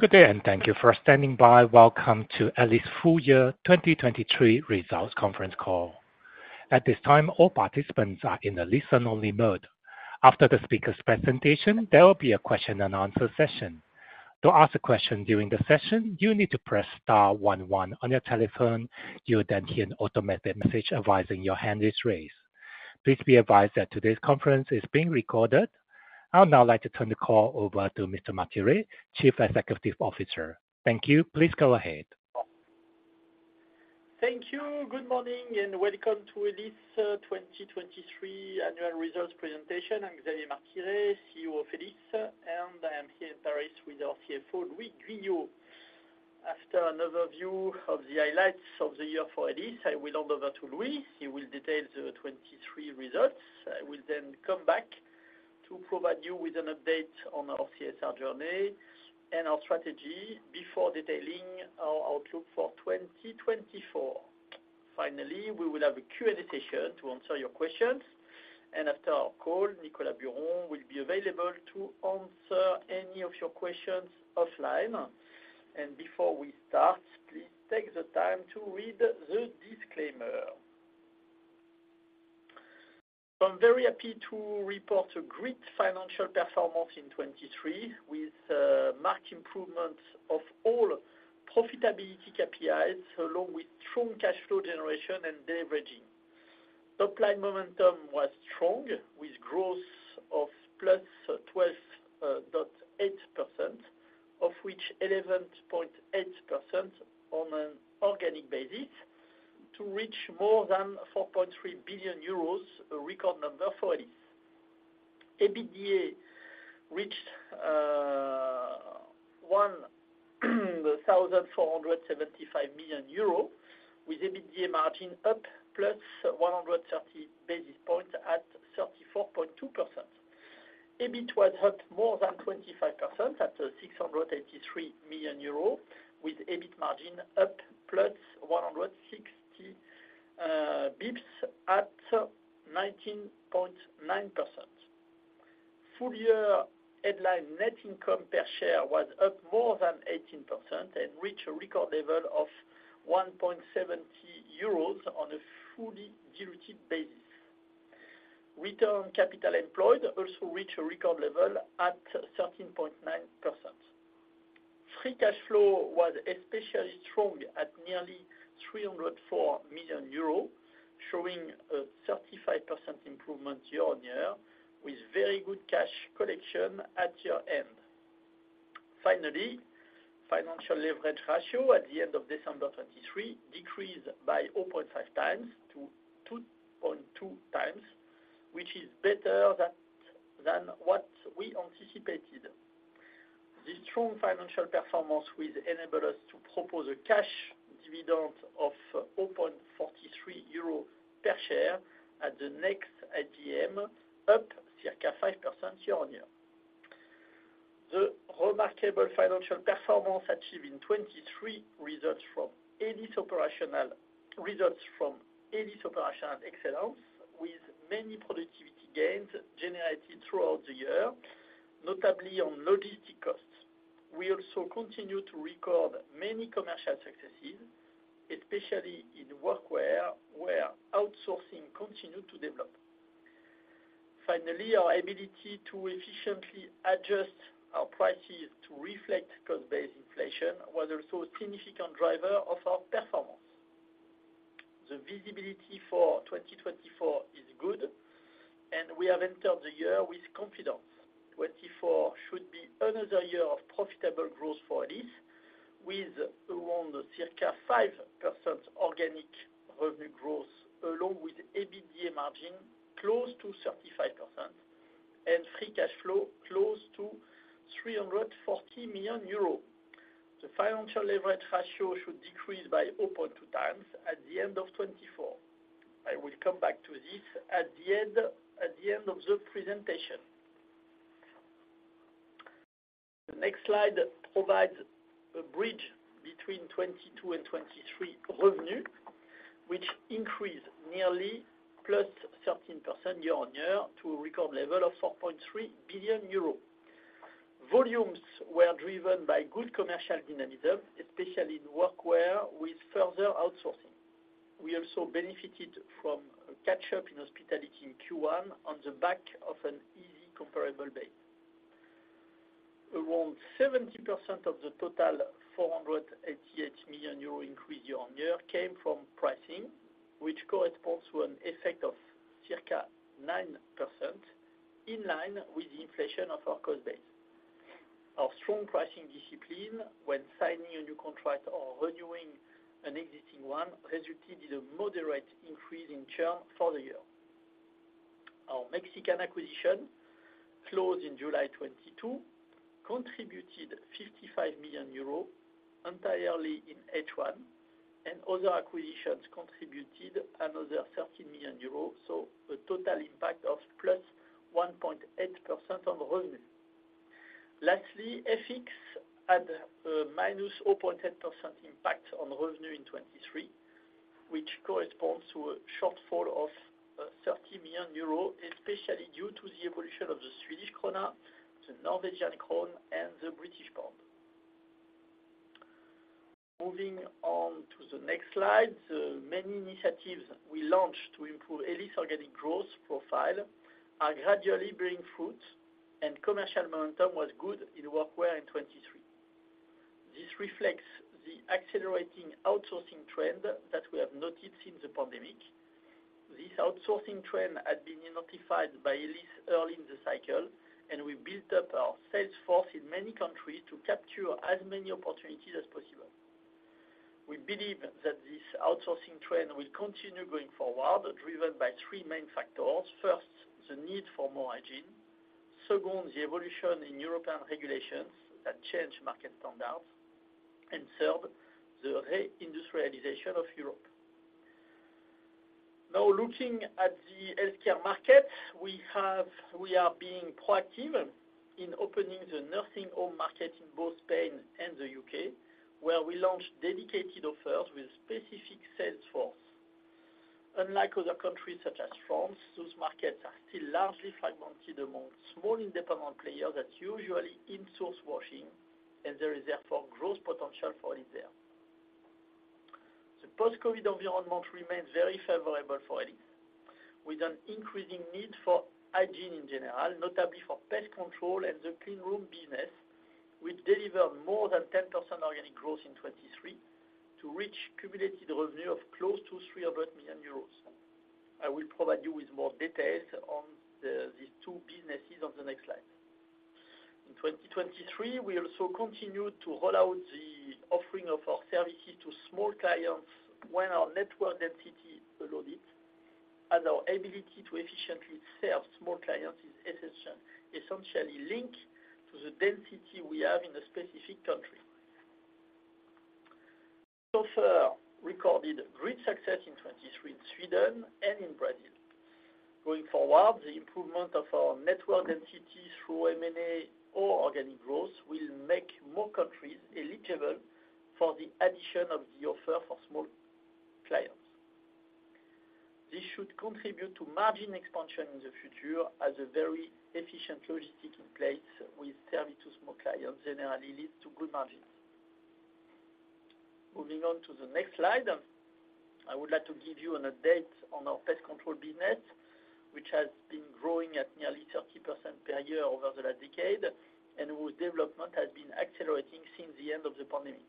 Good day, and thank you for standing by. Welcome to Elis Full Year 2023 Results Conference Call. At this time, all participants are in a listen-only mode. After the speaker's presentation, there will be a question-and-answer session. To ask a question during the session, you need to press star one one on your telephone. You'll then hear an automated message advising your hand is raised. Please be advised that today's conference is being recorded. I would now like to turn the call over to Mr. Martiré, Chief Executive Officer. Thank you. Please go ahead. Thank you. Good morning, and welcome to Elis 2023 Annual Results Presentation. I'm Xavier Martiré, CEO of Elis, and I am here in Paris with our CFO, Louis Guyot. After an overview of the highlights of the year for Elis, I will hand over to Louis. He will detail the 2023 results. I will then come back to provide you with an update on our CSR journey and our strategy before detailing our outlook for 2024. Finally, we will have a Q&A session to answer your questions, and after our call, Nicolas Buron will be available to answer any of your questions offline. Before we start, please take the time to read the disclaimer. I'm very happy to report a great financial performance in 2023, with marked improvement of all profitability KPIs, along with strong cash flow generation and deleveraging. Top-line momentum was strong, with growth of +12.8%, of which 11.8% on an organic basis, to reach more than 4.3 billion euros, a record number for Elis. EBITDA reached 1,475 million euros, with EBITDA margin up +130 basis points at 34.2%. EBIT was up more than 25% at 683 million euros, with EBIT margin up +160 basis points at 19.9%. Full year headline net income per share was up more than 18% and reached a record level of 1.70 euros on a fully diluted basis. Return on capital employed also reached a record level at 13.9%. Free cash flow was especially strong at nearly 304 million euros, showing a 35% improvement year-on-year, with very good cash collection at year-end. Finally, financial leverage ratio at the end of December 2023 decreased by 0.5 times to 2.2 times, which is better than what we anticipated. This strong financial performance will enable us to propose a cash dividend of 0.43 euro per share at the next AGM, up circa 5% year-on-year. The remarkable financial performance achieved in 2023 results from Elis operational excellence, with many productivity gains generated throughout the year, notably on logistic costs. We also continue to record many commercial successes, especially in workwear, where outsourcing continued to develop. Finally, our ability to efficiently adjust our prices to reflect cost-based inflation was also a significant driver of our performance. The visibility for 2024 is good, and we have entered the year with confidence. 2024 should be another year of profitable growth for Elis, with around circa 5% organic revenue growth, along with EBITDA margin close to 35% and free cash flow close to 340 million euros. The financial leverage ratio should decrease by 0.2x at the end of 2024. I will come back to this at the end, at the end of the presentation. The next slide provides a bridge between 2022 and 2023 revenue, which increased nearly +13% year-on-year to a record level of 4.3 billion euros. Volumes were driven by good commercial dynamism, especially in workwear, with further outsourcing. We also benefited from a catch-up in hospitality in Q1 on the back of an easy comparable base. Around 70% of the total 488 million euro increase year-on-year came from pricing, which corresponds to an effect of circa 9%, in line with the inflation of our cost base. Our strong pricing discipline when signing a new contract or renewing an existing one, resulted in a moderate increase in churn for the year. Our Mexican acquisition, closed in July 2022, contributed 55 million euros entirely in H1, and other acquisitions contributed another 13 million euros, so a total impact of +1.8% on revenue. Lastly, FX had a -0.8% impact on revenue in 2023, which corresponds to a shortfall of 30 million euros, especially due to the evolution of the Swedish krona, the Norwegian krone, and the British pound. Moving on to the next slide, the many initiatives we launched to improve Elis' organic growth profile are gradually bearing fruit, and commercial momentum was good in workwear in 2023. This reflects the accelerating outsourcing trend that we have noted since the pandemic. This outsourcing trend had been identified by Elis early in the cycle, and we built up our sales force in many countries to capture as many opportunities as possible. We believe that this outsourcing trend will continue going forward, driven by three main factors. First, the need for more hygiene. Second, the evolution in European regulations that change market standards. And third, the re-industrialization of Europe. Now, looking at the healthcare market, we are being proactive in opening the nursing home market in both Spain and the U.K., where we launched dedicated offers with specific sales force. Unlike other countries, such as France, those markets are still largely fragmented among small, independent players that usually in-source washing, and there is therefore growth potential for Elis there. The post-COVID environment remains very favorable for Elis, with an increasing need for hygiene in general, notably for pest control and the clean room business, which delivered more than 10% organic growth in 2023 to reach cumulative revenue of close to 300 million euros. I will provide you with more details on these two businesses on the next slide. In 2023, we also continued to roll out the offering of our services to small clients when our network density allowed it, as our ability to efficiently serve small clients is essentially linked to the density we have in a specific country. So far, recorded great success in 2023, in Sweden and in Brazil. Going forward, the improvement of our network density through M&A or organic growth will make more countries eligible for the addition of the offer for small clients. This should contribute to margin expansion in the future, as a very efficient logistic in place with service to small clients generally leads to good margins. Moving on to the next slide, I would like to give you an update on our pest control business, which has been growing at nearly 30% per year over the last decade, and whose development has been accelerating since the end of the pandemic.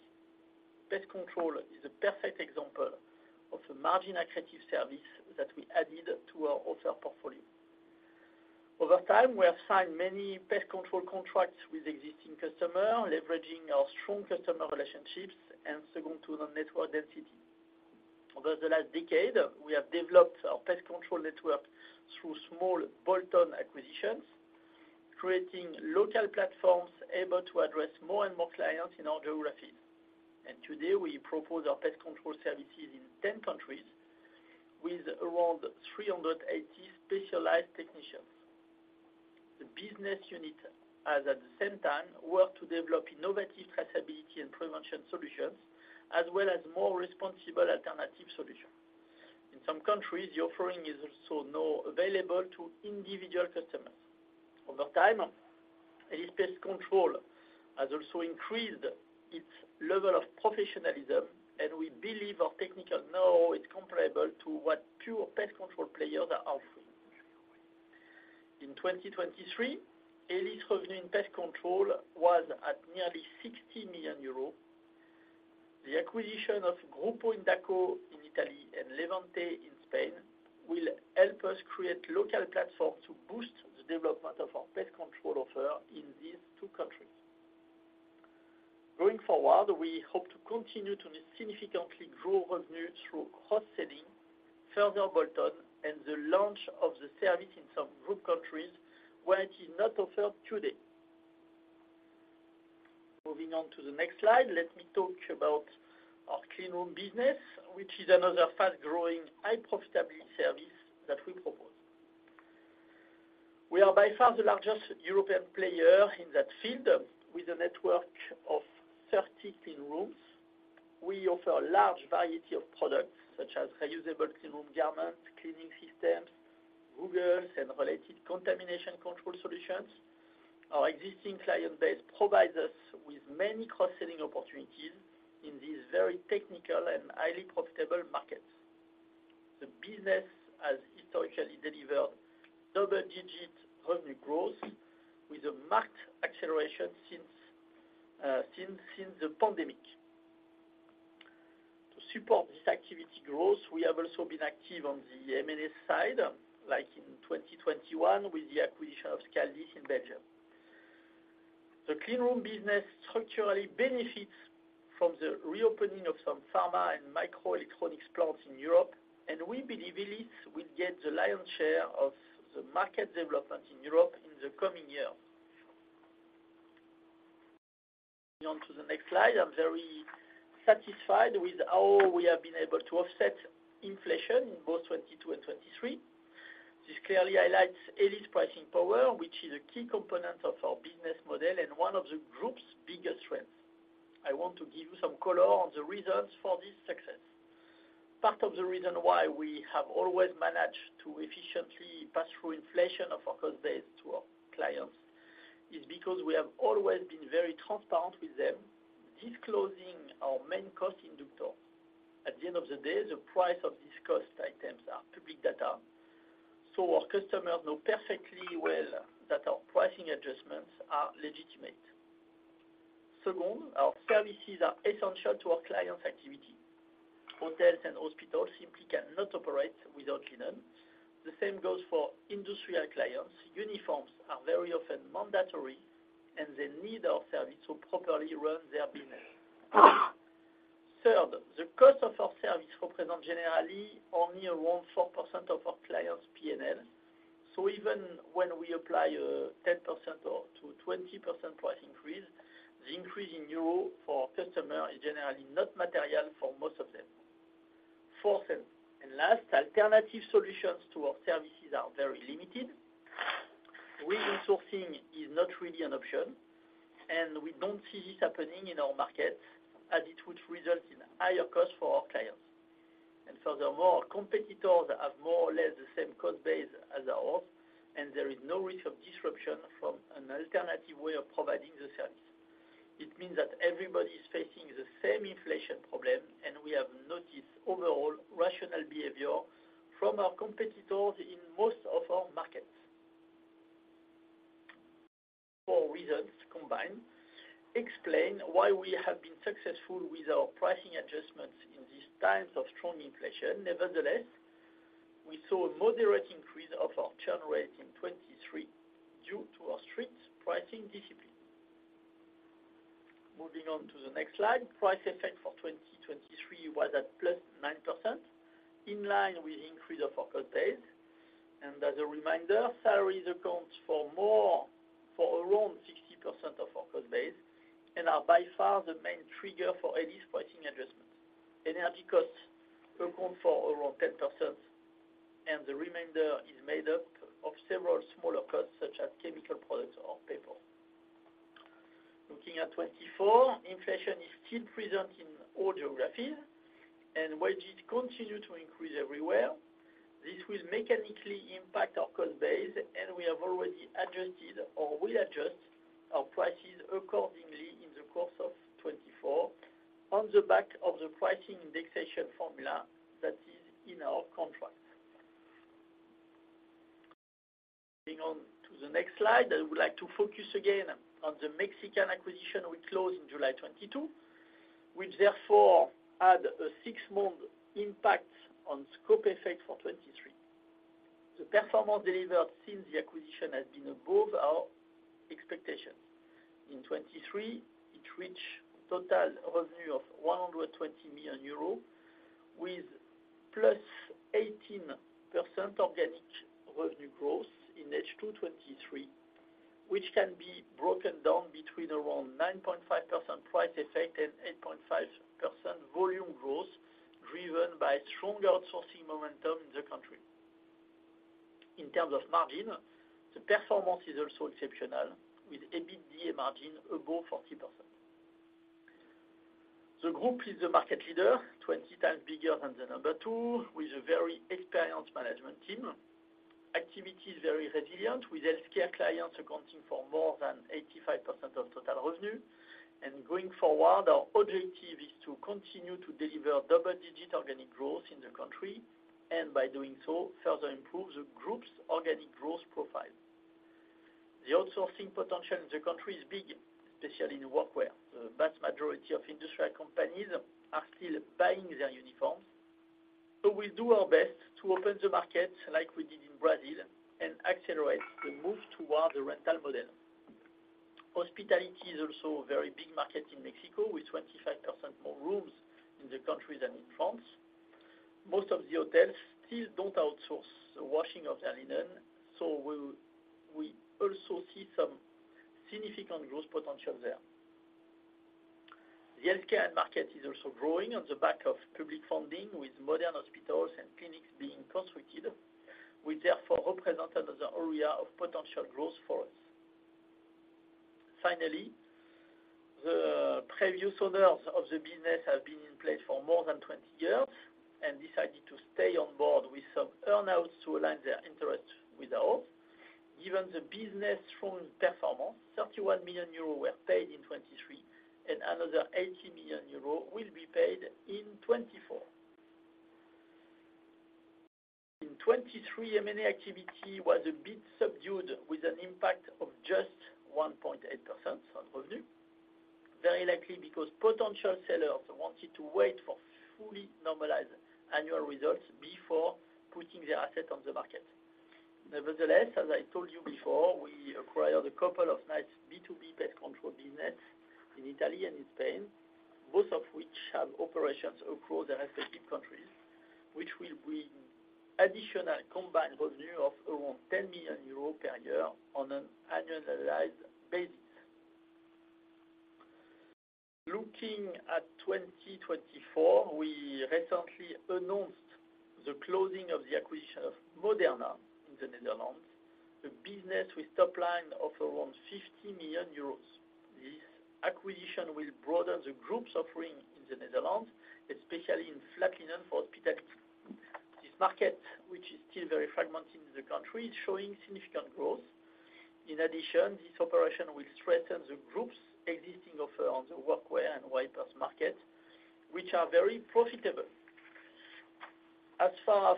Pest control is a perfect example of a margin-accretive service that we added to our offer portfolio. Over time, we have signed many pest control contracts with existing customers, leveraging our strong customer relationships and second to the network density. Over the last decade, we have developed our pest control network through small bolt-on acquisitions, creating local platforms able to address more and more clients in our geographies. Today, we propose our pest control services in 10 countries with around 380 specialized technicians. The business unit has, at the same time, worked to develop innovative traceability and prevention solutions, as well as more responsible alternative solutions. In some countries, the offering is also now available to individual customers. Over time, Elis Pest Control has also increased its level of professionalism, and we believe our technical know-how is comparable to what pure pest control players are offering. In 2023, Elis' revenue in pest control was at nearly 60 million euros. The acquisition of Gruppo Indaco in Italy and Levante in Spain will help us create local platforms to boost the development of our pest control offer in these two countries. Going forward, we hope to continue to significantly grow revenue through cross-selling, further bolt-on, and the launch of the service in some group countries where it is not offered today. Moving on to the next slide, let me talk about our Cleanroom business, which is another fast-growing, high profitability service that we propose. We are by far the largest European player in that field, with a network of 30 Cleanrooms. We offer a large variety of products, such as reusable Cleanroom garments, cleaning systems, goggles, and related contamination control solutions. Our existing client base provides us with many cross-selling opportunities in these very technical and highly profitable markets. The business has historically delivered double-digit revenue growth, with a marked acceleration since the pandemic. To support this activity growth, we have also been active on the M&A side, like in 2021, with the acquisition of Scaldis in Belgium. The Cleanroom business structurally benefits from the reopening of some pharma and microelectronics plants in Europe, and we believe Elis will get the lion's share of the market development in Europe in the coming years. On to the next slide. I'm very satisfied with how we have been able to offset inflation in both 2022 and 2023. This clearly highlights Elis's pricing power, which is a key component of our business model and one of the group's biggest strengths. I want to give you some color on the reasons for this success. Part of the reason why we have always managed to efficiently pass through inflation of our cost base to our clients, is because we have always been very transparent with them, disclosing our main cost inductor. At the end of the day, the price of these cost items are public data, so our customers know perfectly well that our pricing adjustments are legitimate. Second, our services are essential to our clients' activity. Hotels and hospitals simply cannot operate without linen. The same goes for industrial clients. Uniforms are very often mandatory, and they need our service to properly run their business. Third, the cost of our service represent generally only around 4% of our clients' PNL. So even when we apply a 10% or to 20% price increase, the increase in euro for our customer is generally not material for most of them. Fourth and last, alternative solutions to our services are very limited. Reinsourcing is not really an option, and we don't see this happening in our market, as it would result in higher costs for our clients. Furthermore, competitors have more or less the same cost base as ours, and there is no risk of disruption from an alternative way of providing the service. It means that everybody is facing the same inflation problem, and we have noticed overall rational behavior from our competitors in most of our markets. Four reasons combined explain why we have been successful with our pricing adjustments in these times of strong inflation. Nevertheless, we saw a moderate increase of our churn rate in 2023 due to our strict pricing discipline. Moving on to the next slide, price effect for 2023 was at +9%, in line with increase of our cost base. As a reminder, salaries account for more, for around 60% of our cost base, and are by far the main trigger for any pricing adjustments. Energy costs account for around 10%, and the remainder is made up of several smaller costs, such as chemical products or paper. Looking at 2024, inflation is still present in all geographies, and wages continue to increase everywhere. This will mechanically impact our cost base, and we have already adjusted or will adjust our prices accordingly in the course of 2024, on the back of the pricing indexation formula that is in our contract. Moving on to the next slide, I would like to focus again on the Mexican acquisition we closed in July 2022, which therefore had a six-month impact on scope effect for 2023. The performance delivered since the acquisition has been above our expectations. In 2023, it reached total revenue of 120 million euros, with +18% organic revenue growth in H2 2023, which can be broken down between around 9.5% price effect and 8.5% volume growth, driven by stronger outsourcing momentum in the country. In terms of margin, the performance is also exceptional, with EBITDA margin above 40%. The group is the market leader, 20 times bigger than the number two, with a very experienced management team. Activity is very resilient, with healthcare clients accounting for more than 85% of total revenue. And going forward, our objective is to continue to deliver double-digit organic growth in the country, and by doing so, further improve the group's organic growth profile. The outsourcing potential in the country is big, especially in workwear. The vast majority of industrial companies are still buying their uniforms, so we'll do our best to open the market like we did in Brazil and accelerate the move toward the rental model. Hospitality is also a very big market in Mexico, with 25% more rooms in the country than in France. Most of the hotels still don't outsource the washing of their linen, so we'll, we also see some significant growth potential there. The healthcare market is also growing on the back of public funding, with modern hospitals and clinics being constructed, which therefore represent another area of potential growth for us. Finally, the previous owners of the business have been in place for more than 20 years and decided to stay on board with some earn-outs to align their interest with ours. Given the business' strong performance, 31 million euros were paid in 2023, and another 80 million euros will be paid in 2024. In 2023, M&A activity was a bit subdued, with an impact of just 1.8% on revenue, very likely because potential sellers wanted to wait for fully normalized annual results before putting their asset on the market. Nevertheless, as I told you before, we acquired a couple of nice B2B pest control business in Italy and in Spain, both of which have operations across the respective countries, which will bring additional combined revenue of around 10 million euros per year on an annualized basis.... Looking at 2024, we recently announced the closing of the acquisition of Moderna in the Netherlands, a business with top line of around 50 million euros. This acquisition will broaden the group's offering in the Netherlands, especially in flat linen for hospital. This market, which is still very fragmented in the country, is showing significant growth. In addition, this operation will strengthen the group's existing offer on the workwear and wipers market, which are very profitable. As far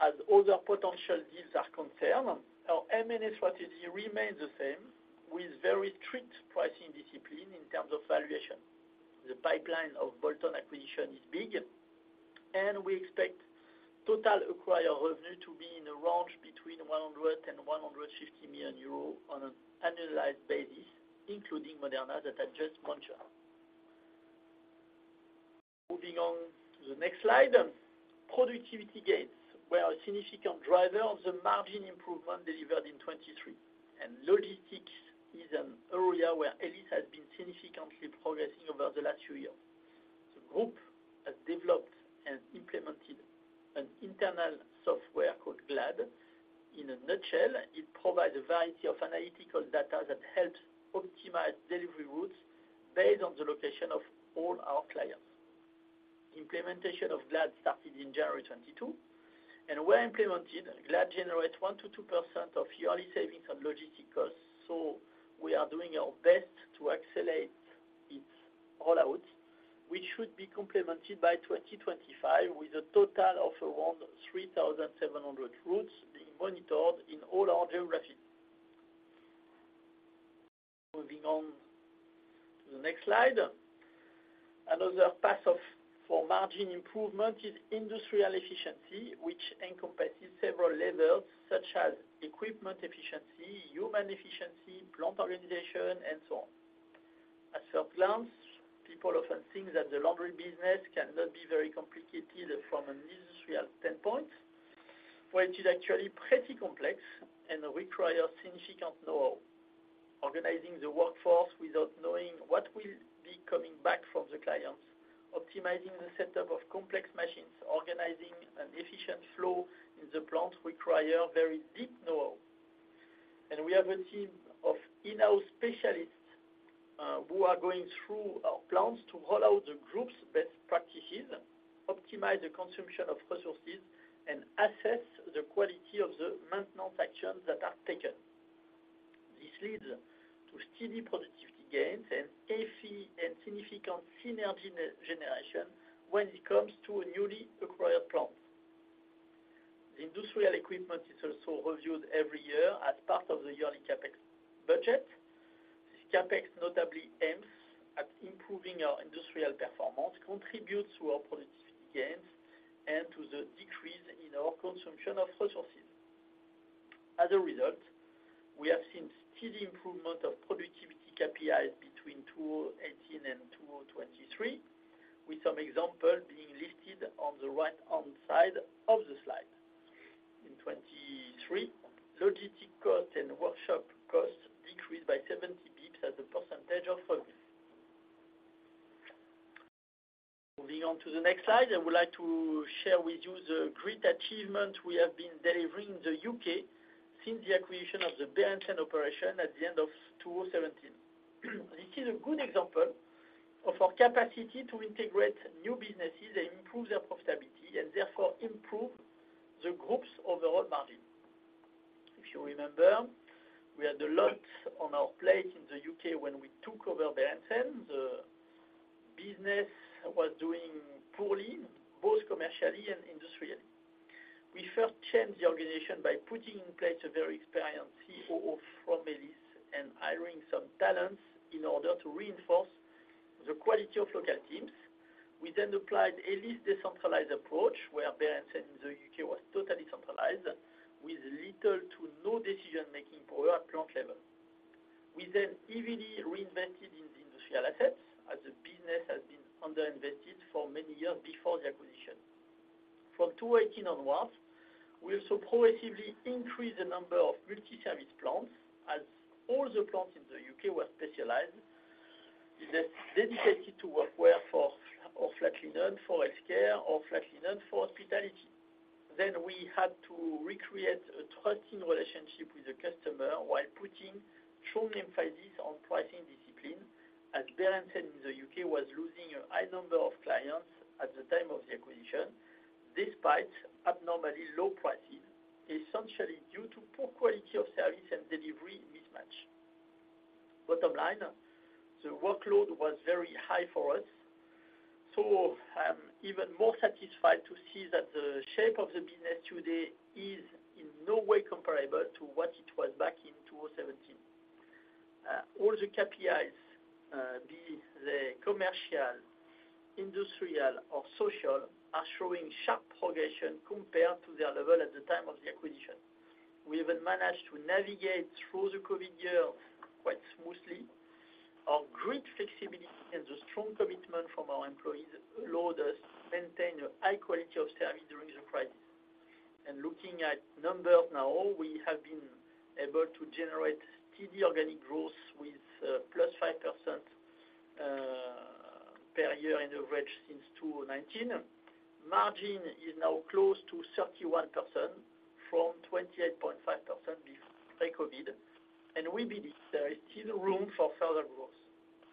as other potential deals are concerned, our M&A strategy remains the same, with very strict pricing discipline in terms of valuation. The pipeline of bolt-on acquisition is big, and we expect total acquired revenue to be in the range between 100 million euros and 150 million euros on an annualized basis, including Moderna that I just mentioned. Moving on to the next slide, productivity gains were a significant driver of the margin improvement delivered in 2023, and logistics is an area where Elis has been significantly progressing over the last few years. The group has developed and implemented an internal software called GLAD. In a nutshell, it provides a variety of analytical data that helps optimize delivery routes based on the location of all our clients. Implementation of GLAD started in January 2022, and where implemented, GLAD generates 1%-2% of yearly savings on logistics costs, so we are doing our best to accelerate its roll out, which should be complemented by 2025, with a total of around 3,700 routes being monitored in all our geographies. Moving on to the next slide. Another path for margin improvement is industrial efficiency, which encompasses several levels, such as equipment efficiency, human efficiency, plant organization, and so on. At first glance, people often think that the laundry business cannot be very complicated from an industrial standpoint, but it is actually pretty complex and require significant know-how. Organizing the workforce without knowing what will be coming back from the clients, optimizing the setup of complex machines, organizing an efficient flow in the plant require very deep know-how. And we have a team of in-house specialists who are going through our plants to roll out the group's best practices, optimize the consumption of resources, and assess the quality of the maintenance actions that are taken. This leads to steady productivity gains and efficiency, and significant synergy generation when it comes to a newly acquired plant. The industrial equipment is also reviewed every year as part of the yearly CapEx budget. This CapEx notably aims at improving our industrial performance, contributes to our productivity gains, and to the decrease in our consumption of resources. As a result, we have seen steady improvement of productivity KPIs between 2018 and 2023, with some examples being listed on the right-hand side of the slide. In 2023, logistic cost and workshop costs decreased by 70 basis points as a percentage of revenue. Moving on to the next slide, I would like to share with you the great achievement we have been delivering in the U.K. since the acquisition of the Berendsen operation at the end of 2017. This is a good example of our capacity to integrate new businesses and improve their profitability and therefore improve the group's overall margin. If you remember, we had a lot on our plate in the U.K. when we took over Berendsen. The business was doing poorly, both commercially and industrially. We first changed the organization by putting in place a very experienced COO from Elis and hiring some talents in order to reinforce the quality of local teams. We then applied Elis' decentralized approach, where Berendsen in the U.K. was totally centralized, with little to no decision-making power at plant level. We then heavily reinvested in the industrial assets, as the business had been underinvested for many years before the acquisition. From 2018 onwards, we also progressively increased the number of multi-service plants, as all the plants in the U.K. were specialized, either dedicated to workwear for, or flat linen for healthcare, or flat linen for hospitality. Then we had to recreate a trusting relationship with the customer while putting strong emphasis on pricing discipline, as Berendsen in the U.K. was losing a high number of clients at the time of the acquisition, despite abnormally low pricing, essentially due to poor quality of service and delivery mismatch. Bottom line, the workload was very high for us, so I'm even more satisfied to see that the shape of the business today is in no way comparable to what it was back in 2017. All the KPIs, be it the commercial, industrial, or social, are showing sharp progression compared to their level at the time of the acquisition. We even managed to navigate through the COVID year quite smoothly. Our great flexibility and the strong commitment from our employees allowed us to maintain a high quality of service during the crisis... Looking at numbers now, we have been able to generate steady organic growth with +5% per year in average since 2019. Margin is now close to 31% from 28.5% pre-COVID, and we believe there is still room for further growth.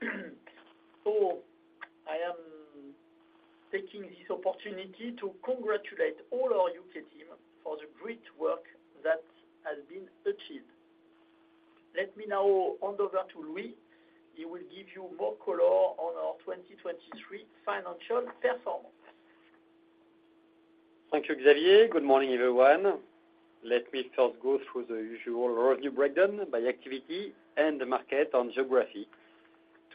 So I am taking this opportunity to congratulate all our U.K. team for the great work that has been achieved. Let me now hand over to Louis. He will give you more color on our 2023 financial performance. Thank you, Xavier. Good morning, everyone. Let me first go through the usual revenue breakdown by activity and the markets by geography,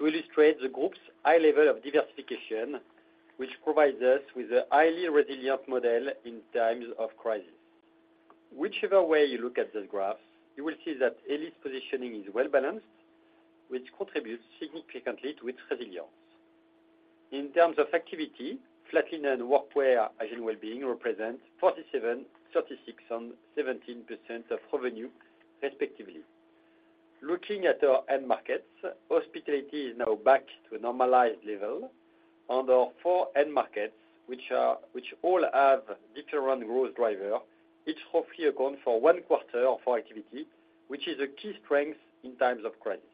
to illustrate the group's high level of diversification, which provides us with a highly resilient model in times of crisis. Whichever way you look at this graph, you will see that Elis' positioning is well-balanced, which contributes significantly to its resilience. In terms of activity, flat linen and workwear, as well as hygiene, represent 47%, 36%, and 17% of revenue, respectively. Looking at our end markets, hospitality is now back to a normalized level, and our four end markets, which all have different growth drivers, each roughly account for one quarter of our activity, which is a key strength in times of crisis.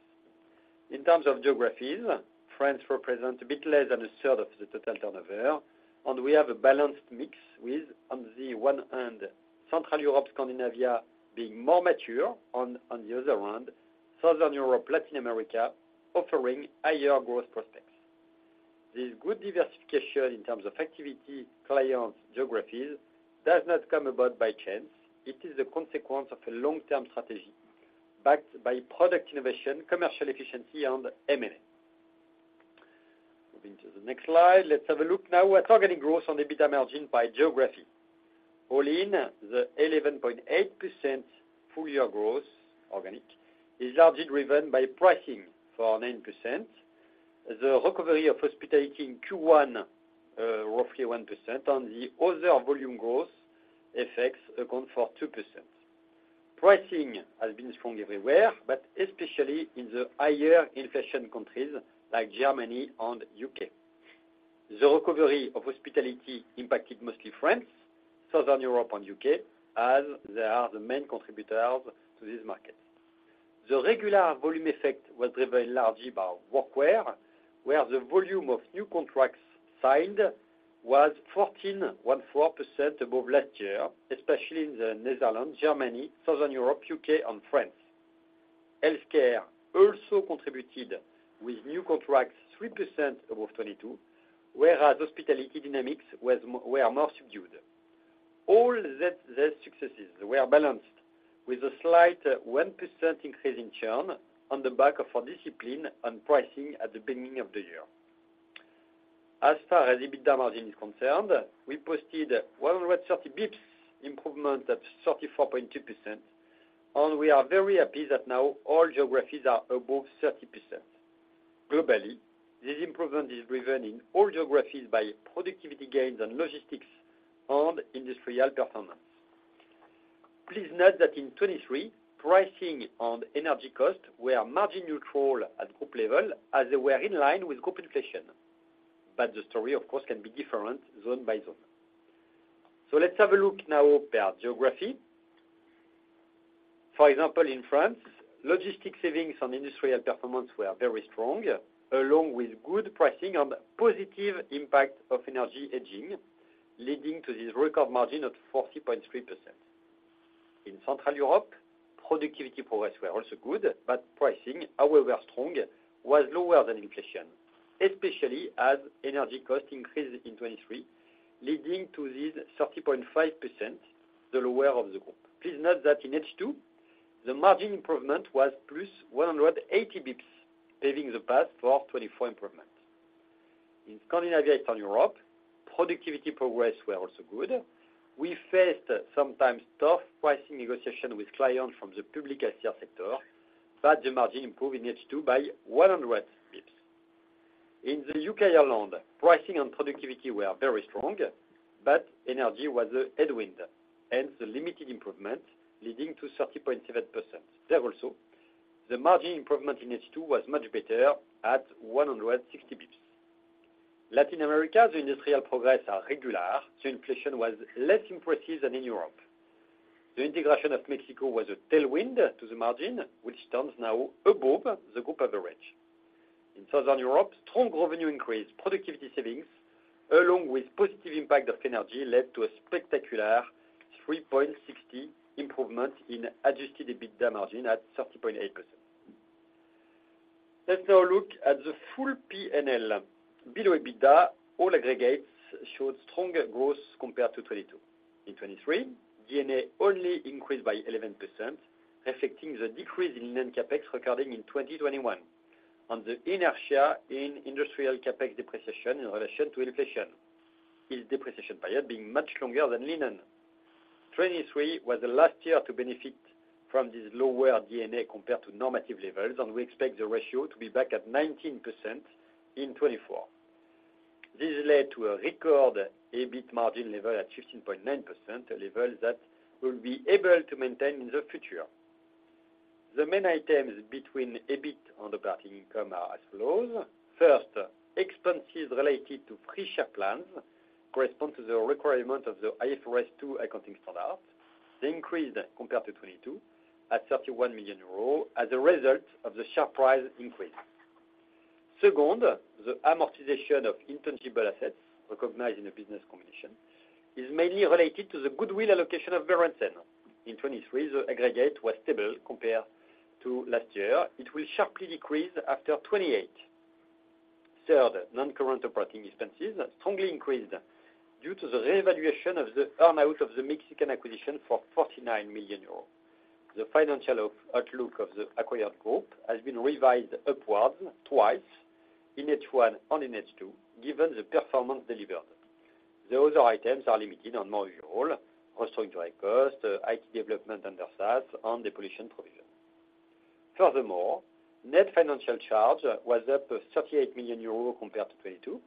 In terms of geographies, France represents a bit less than a third of the total turnover, and we have a balanced mix with, on the one hand, Central Europe, Scandinavia being more mature, on the other hand, Southern Europe, Latin America, offering higher growth prospects. This good diversification in terms of activity, clients, geographies, does not come about by chance. It is a consequence of a long-term strategy, backed by product innovation, commercial efficiency, and M&A. Moving to the next slide, let's have a look now at organic growth on the EBITDA margin by geography. All in, the 11.8% full year growth, organic, is largely driven by pricing for 9%, the recovery of hospitality in Q1, roughly 1%, and the other volume growth effects account for 2%. Pricing has been strong everywhere, but especially in the higher inflation countries like Germany and U.K. The recovery of hospitality impacted mostly France, Southern Europe, and U.K., as they are the main contributors to this market. The regular volume effect was driven largely by workwear, where the volume of new contracts signed was 14.4% above last year, especially in the Netherlands, Germany, Southern Europe, U.K., and France. Healthcare also contributed with new contracts, 3% above 2022, whereas hospitality dynamics were more subdued. All that, these successes were balanced with a slight 1% increase in churn on the back of our discipline and pricing at the beginning of the year. As far as EBITDA margin is concerned, we posted 130 basis points improvement at 34.2%, and we are very happy that now all geographies are above 30%. Globally, this improvement is driven in all geographies by productivity gains and logistics and industrial performance. Please note that in 2023, pricing and energy costs were margin neutral at group level, as they were in line with group inflation. The story, of course, can be different zone by zone. Let's have a look now per geography. For example, in France, logistic savings on industrial performance were very strong, along with good pricing and positive impact of energy hedging, leading to this record margin of 40.3%. In Central Europe, productivity progress were also good, but pricing, however strong, was lower than inflation, especially as energy costs increased in 2023, leading to this 30.5%, the lower of the group. Please note that in H2, the margin improvement was +100 basis points, paving the path for 2024 improvements. In Scandinavia, Eastern Europe, productivity progress were also good. We faced sometimes tough pricing negotiation with clients from the public sector, but the margin improved in H2 by 100 basis points. In the U.K., Ireland, pricing and productivity were very strong, but energy was a headwind, hence the limited improvement, leading to 30.7%. There also, the margin improvement in H2 was much better at 160 basis points. Latin America, the industrial progress are regular, so inflation was less impressive than in Europe. The integration of Mexico was a tailwind to the margin, which turns now above the group average. In Southern Europe, strong revenue increase, productivity savings, along with positive impact of energy, led to a spectacular 3.60 improvement in Adjusted EBITDA margin at 30.8%. Let's now look at the full P&L. Below EBITDA, all aggregates showed stronger growth compared to 2022. In 2023, D&A only increased by 11%, reflecting the decrease in linen CapEx recording in 2021, and the inertia in industrial CapEx depreciation in relation to inflation, its depreciation period being much longer than linen. 2023 was the last year to benefit from this lower D&A compared to normative levels, and we expect the ratio to be back at 19% in 2024. This led to a record EBIT margin level at 15.9%, a level that we'll be able to maintain in the future. The main items between EBIT and operating income are as follows. First, expenses related to free share plans correspond to the requirement of the IFRS 2 accounting standard. They increased compared to 2022, at 31 million euros, as a result of the share price increase. Second, the amortization of intangible assets recognized in the business combination is mainly related to the goodwill allocation of Berendsen. In 2023, the aggregate was stable compared to last year. It will sharply decrease after 2028. Third, non-current operating expenses strongly increased due to the revaluation of the earn-out of the Mexican acquisition for 49 million euros. The financial outlook of the acquired group has been revised upwards twice, in H1 and in H2, given the performance delivered. The other items are limited on more overall, restoring direct cost, IT development and their sales, and the pollution provision. Furthermore, net financial charge was up 38 million euro compared to 2022.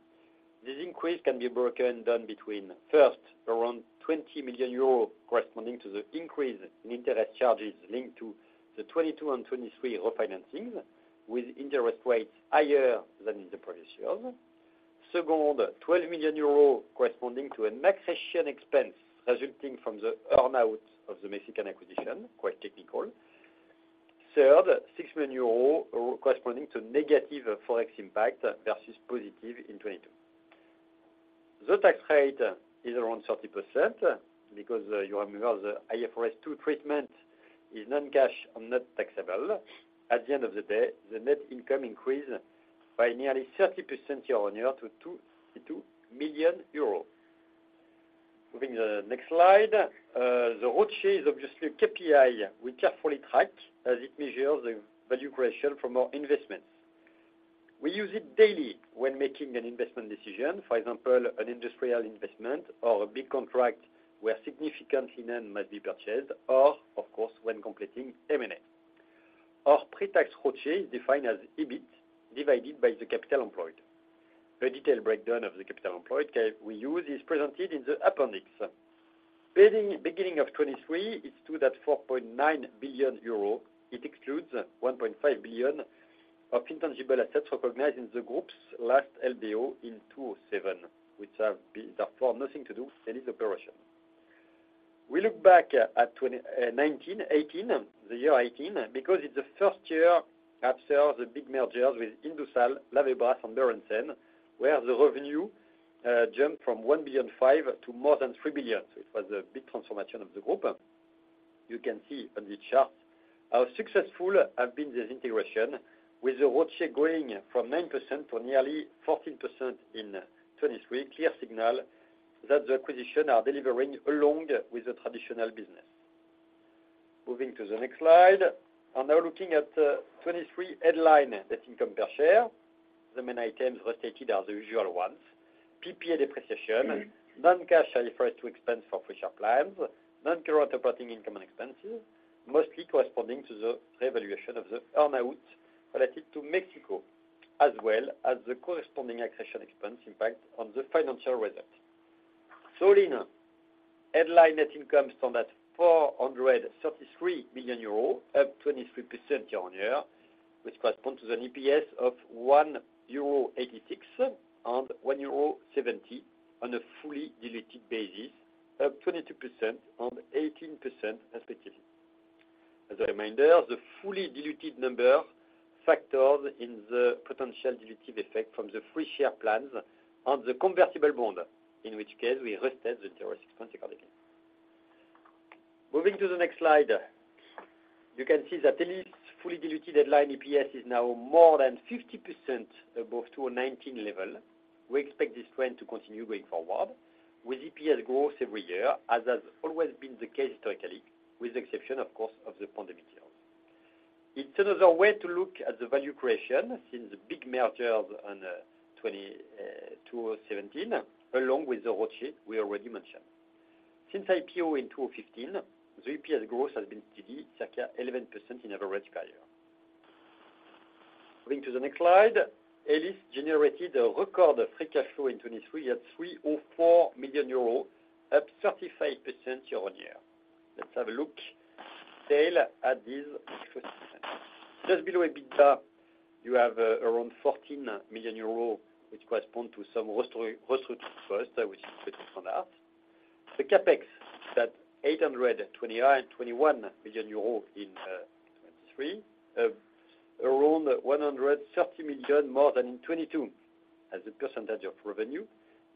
This increase can be broken down between, first, around 20 million euro, corresponding to the increase in interest charges linked to the 2022 and 2023 refinancings, with interest rates higher than in the previous years. Second, 12 million euro, corresponding to an accretion expense resulting from the earn-out of the Mexican acquisition, quite technical. Third, 6 million euros, corresponding to negative Forex impact versus positive in 2022. The tax rate is around 30%, because you remember the IFRS 2 treatment is non-cash and not taxable. At the end of the day, the net income increased by nearly 30% year-on-year to 2 million euros. Moving to the next slide. The ROCE is obviously a KPI we carefully track, as it measures the value creation from our investments. We use it daily when making an investment decision, for example, an industrial investment or a big contract where significant linen must be purchased, or of course, when completing M&A. Our pre-tax ROCE is defined as EBIT divided by the capital employed. A detailed breakdown of the capital employed we use is presented in the appendix. Beginning of 2023, it's 2.4 billion euro. It excludes 1.5 billion of intangible assets recognized in the group's last LBO in 2007, which have been therefore nothing to do with any operation. We look back at 2018, the year eighteen, because it's the first year after the big mergers with Indusal, Lavebras, and Berendsen, where the revenue jumped from 1.5 billion to more than 3 billion. So it was a big transformation of the group. You can see on this chart how successful have been this integration, with the ROCE going from 9% to nearly 14% in 2023. Clear signal that the acquisition are delivering along with the traditional business. Moving to the next slide. Now looking at 2023 headline net income per share, the main items restated are the usual ones. PPA depreciation, non-cash IFRS 2 expense for free share plans, non-current operating income and expenses, mostly corresponding to the revaluation of the earn-out related to Mexico, as well as the corresponding acquisition expense impact on the financial results. So in headline net income stood at 433 million euros, up 23% year-on-year, which corresponds to an EPS of 1.86 euro, and 1.70 euro on a fully diluted basis, up 22% and 18% respectively. As a reminder, the fully diluted number factors in the potential dilutive effect from the free share plans on the convertible bond, in which case we restate the IFRS 2 expense accordingly. Moving to the next slide, you can see that Elis' fully diluted headline EPS is now more than 50% above 2019 level. We expect this trend to continue going forward, with EPS growth every year, as has always been the case historically, with the exception, of course, of the pandemic years. It's another way to look at the value creation since the big mergers on 2017, along with the ROCE we already mentioned. Since IPO in 2015, the EPS growth has been steady, circa 11% in average per year. Moving to the next slide, Elis generated a record free cash flow in 2023 at 304 million euros, up 35% year-on-year. Let's have a look at sales first. Just below EBITDA, you have around 14 million euros, which correspond to some restructuring costs, which is pretty standard. The CapEx, that 821 million euros in 2023, around 130 million more than in 2022. As a percentage of revenue,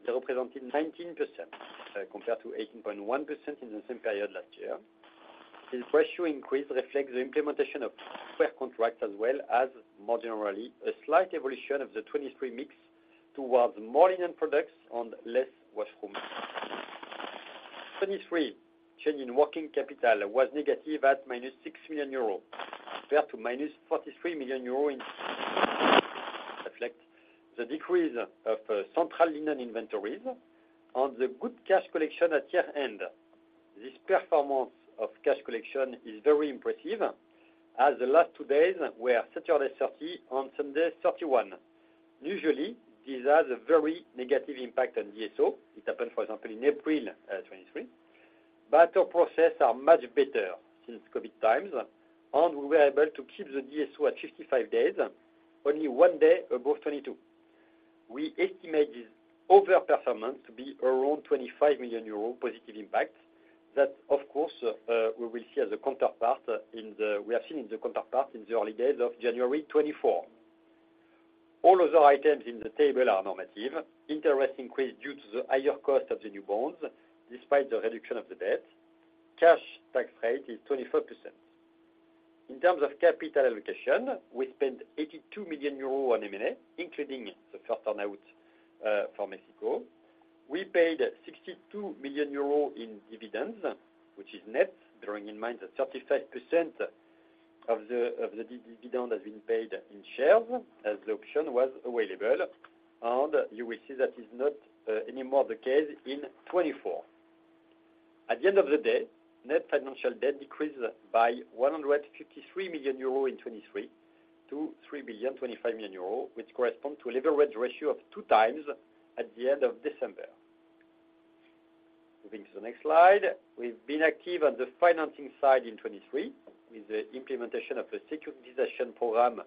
they represented 19%, compared to 18.1% in the same period last year. This ratio increase reflects the implementation of square contracts, as well as, more generally, a slight evolution of the 2023 mix towards more linen products and less washroom. 2023 change in working capital was negative at -6 million euros, compared to -43 million euros in. Reflect the decrease of central linen inventories on the good cash collection at year-end. This performance of cash collection is very impressive, as the last two days were Saturday, thirty, on Sunday, thirty-one. Usually, this has a very negative impact on DSO. It happened, for example, in April 2023, but our processes are much better since COVID times, and we were able to keep the DSO at 55 days, only one day above 2022. We estimate this overperformance to be around 25 million euro positive impact. That, of course, we have seen in the counterpart in the early days of January 2024. All other items in the table are normative. Interest increased due to the higher cost of the new bonds, despite the reduction of the debt. Cash tax rate is 24%. In terms of capital allocation, we spent 82 million euros on M&A, including the first bolt-on for Mexico. We paid 62 million euros in dividends, which is net, bearing in mind that 35% of the dividend has been paid in shares, as the option was available, and you will see that is not anymore the case in 2024. At the end of the day, net financial debt decreased by 153 million euro in 2023, to 3.025 billion, which corresponds to a leverage ratio of 2x at the end of December. Moving to the next slide. We have been active on the financing side in 2023, with the implementation of a securitization program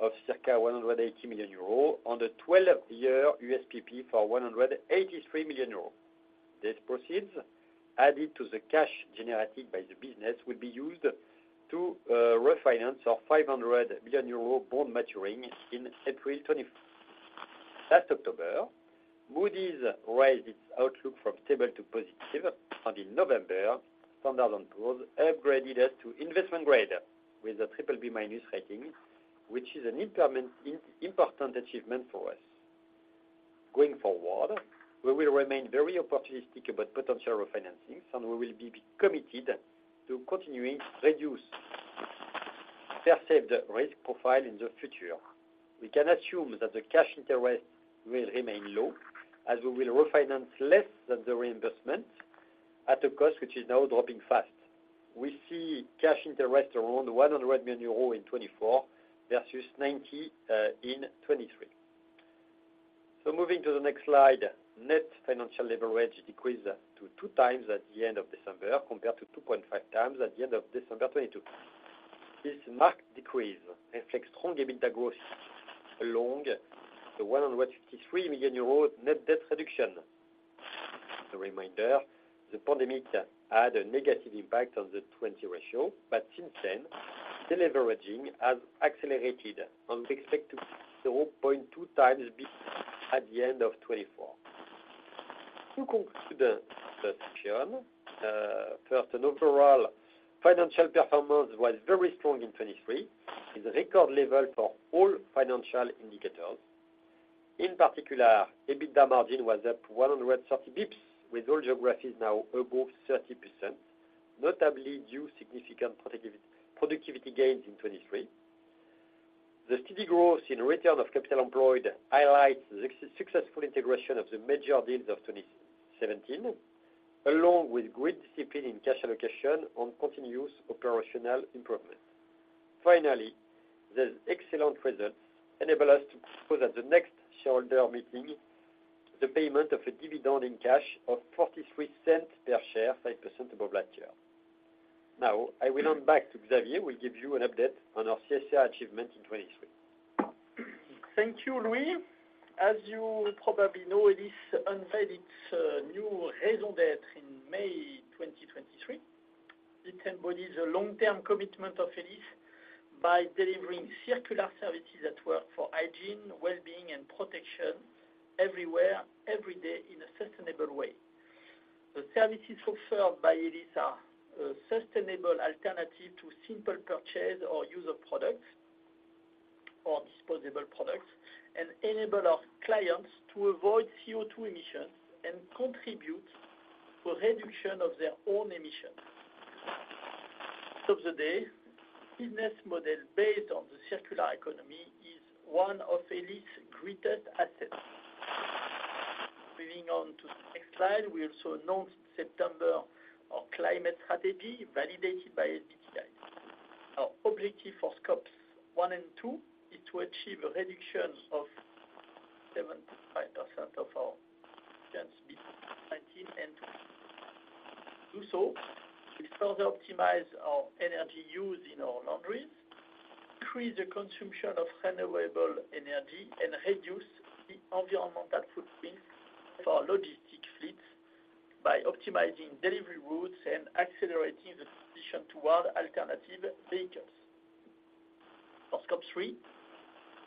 of circa 180 million euros on the 12-year USPP for 183 million euros. These proceeds, added to the cash generated by the business, will be used to refinance our 500 million euro bond maturing in April 2024. Last October, Moody's raised its outlook from stable to positive, and in November, Standard & Poor's upgraded us to investment grade with a triple B minus rating, which is an important, important achievement for us. Going forward, we will remain very opportunistic about potential refinancings, and we will be, be committed to continuing to reduce perceived risk profile in the future. We can assume that the cash interest will remain low, as we will refinance less than the reimbursement at a cost which is now dropping fast. We see cash interest around 100 million euro in 2024 versus 90 in 2023. So moving to the next slide, net financial leverage decreased to 2x at the end of December, compared to 2.5x at the end of December 2022. This marked decrease reflects strong EBITDA growth, along with the 153 million euros net debt reduction. As a reminder, the pandemic had a negative impact on the 2.0 ratio, but since then, the deleveraging has accelerated, and we expect to see 0.2x by the end of 2024. To conclude the session, first, our overall financial performance was very strong in 2023, at a record level for all financial indicators. In particular, EBITDA margin was up 130 basis points, with all geographies now above 30%, notably due to significant productivity gains in 2023. The steady growth in return on capital employed highlights the successful integration of the major deals of 2017, along with great discipline in cash allocation and continuous operational improvement. Finally, these excellent results enable us to propose at the next shareholder meeting, the payment of a dividend in cash of 0.43 per share, 5% above last year. Now, I will hand back to Xavier, who will give you an update on our CSR achievement in 2023. Thank you, Louis. As you probably know, Elis unveiled its new raison d'être in May 2023. It embodies a long-term commitment of Elis by delivering circular services that work for hygiene, well-being, and protection everywhere, every day, in a sustainable way. The services offered by Elis are a sustainable alternative to single purchase or single-use products or disposable products, and enable our clients to avoid CO2 emissions and contribute to a reduction of their own emissions. To this day, our business model based on the circular economy is one of Elis' greatest assets. Moving on to the next slide. We also announced in September our climate strategy, validated by SBTi. Our objective for Scopes 1 and 2 is to achieve a reduction of 75% from our 2019 and 2022 baseline. To do so, we further optimize our energy use in our laundry, increase the consumption of renewable energy, and reduce the environmental footprint for our logistic fleets by optimizing delivery routes and accelerating the transition toward alternative vehicles. For Scope 3,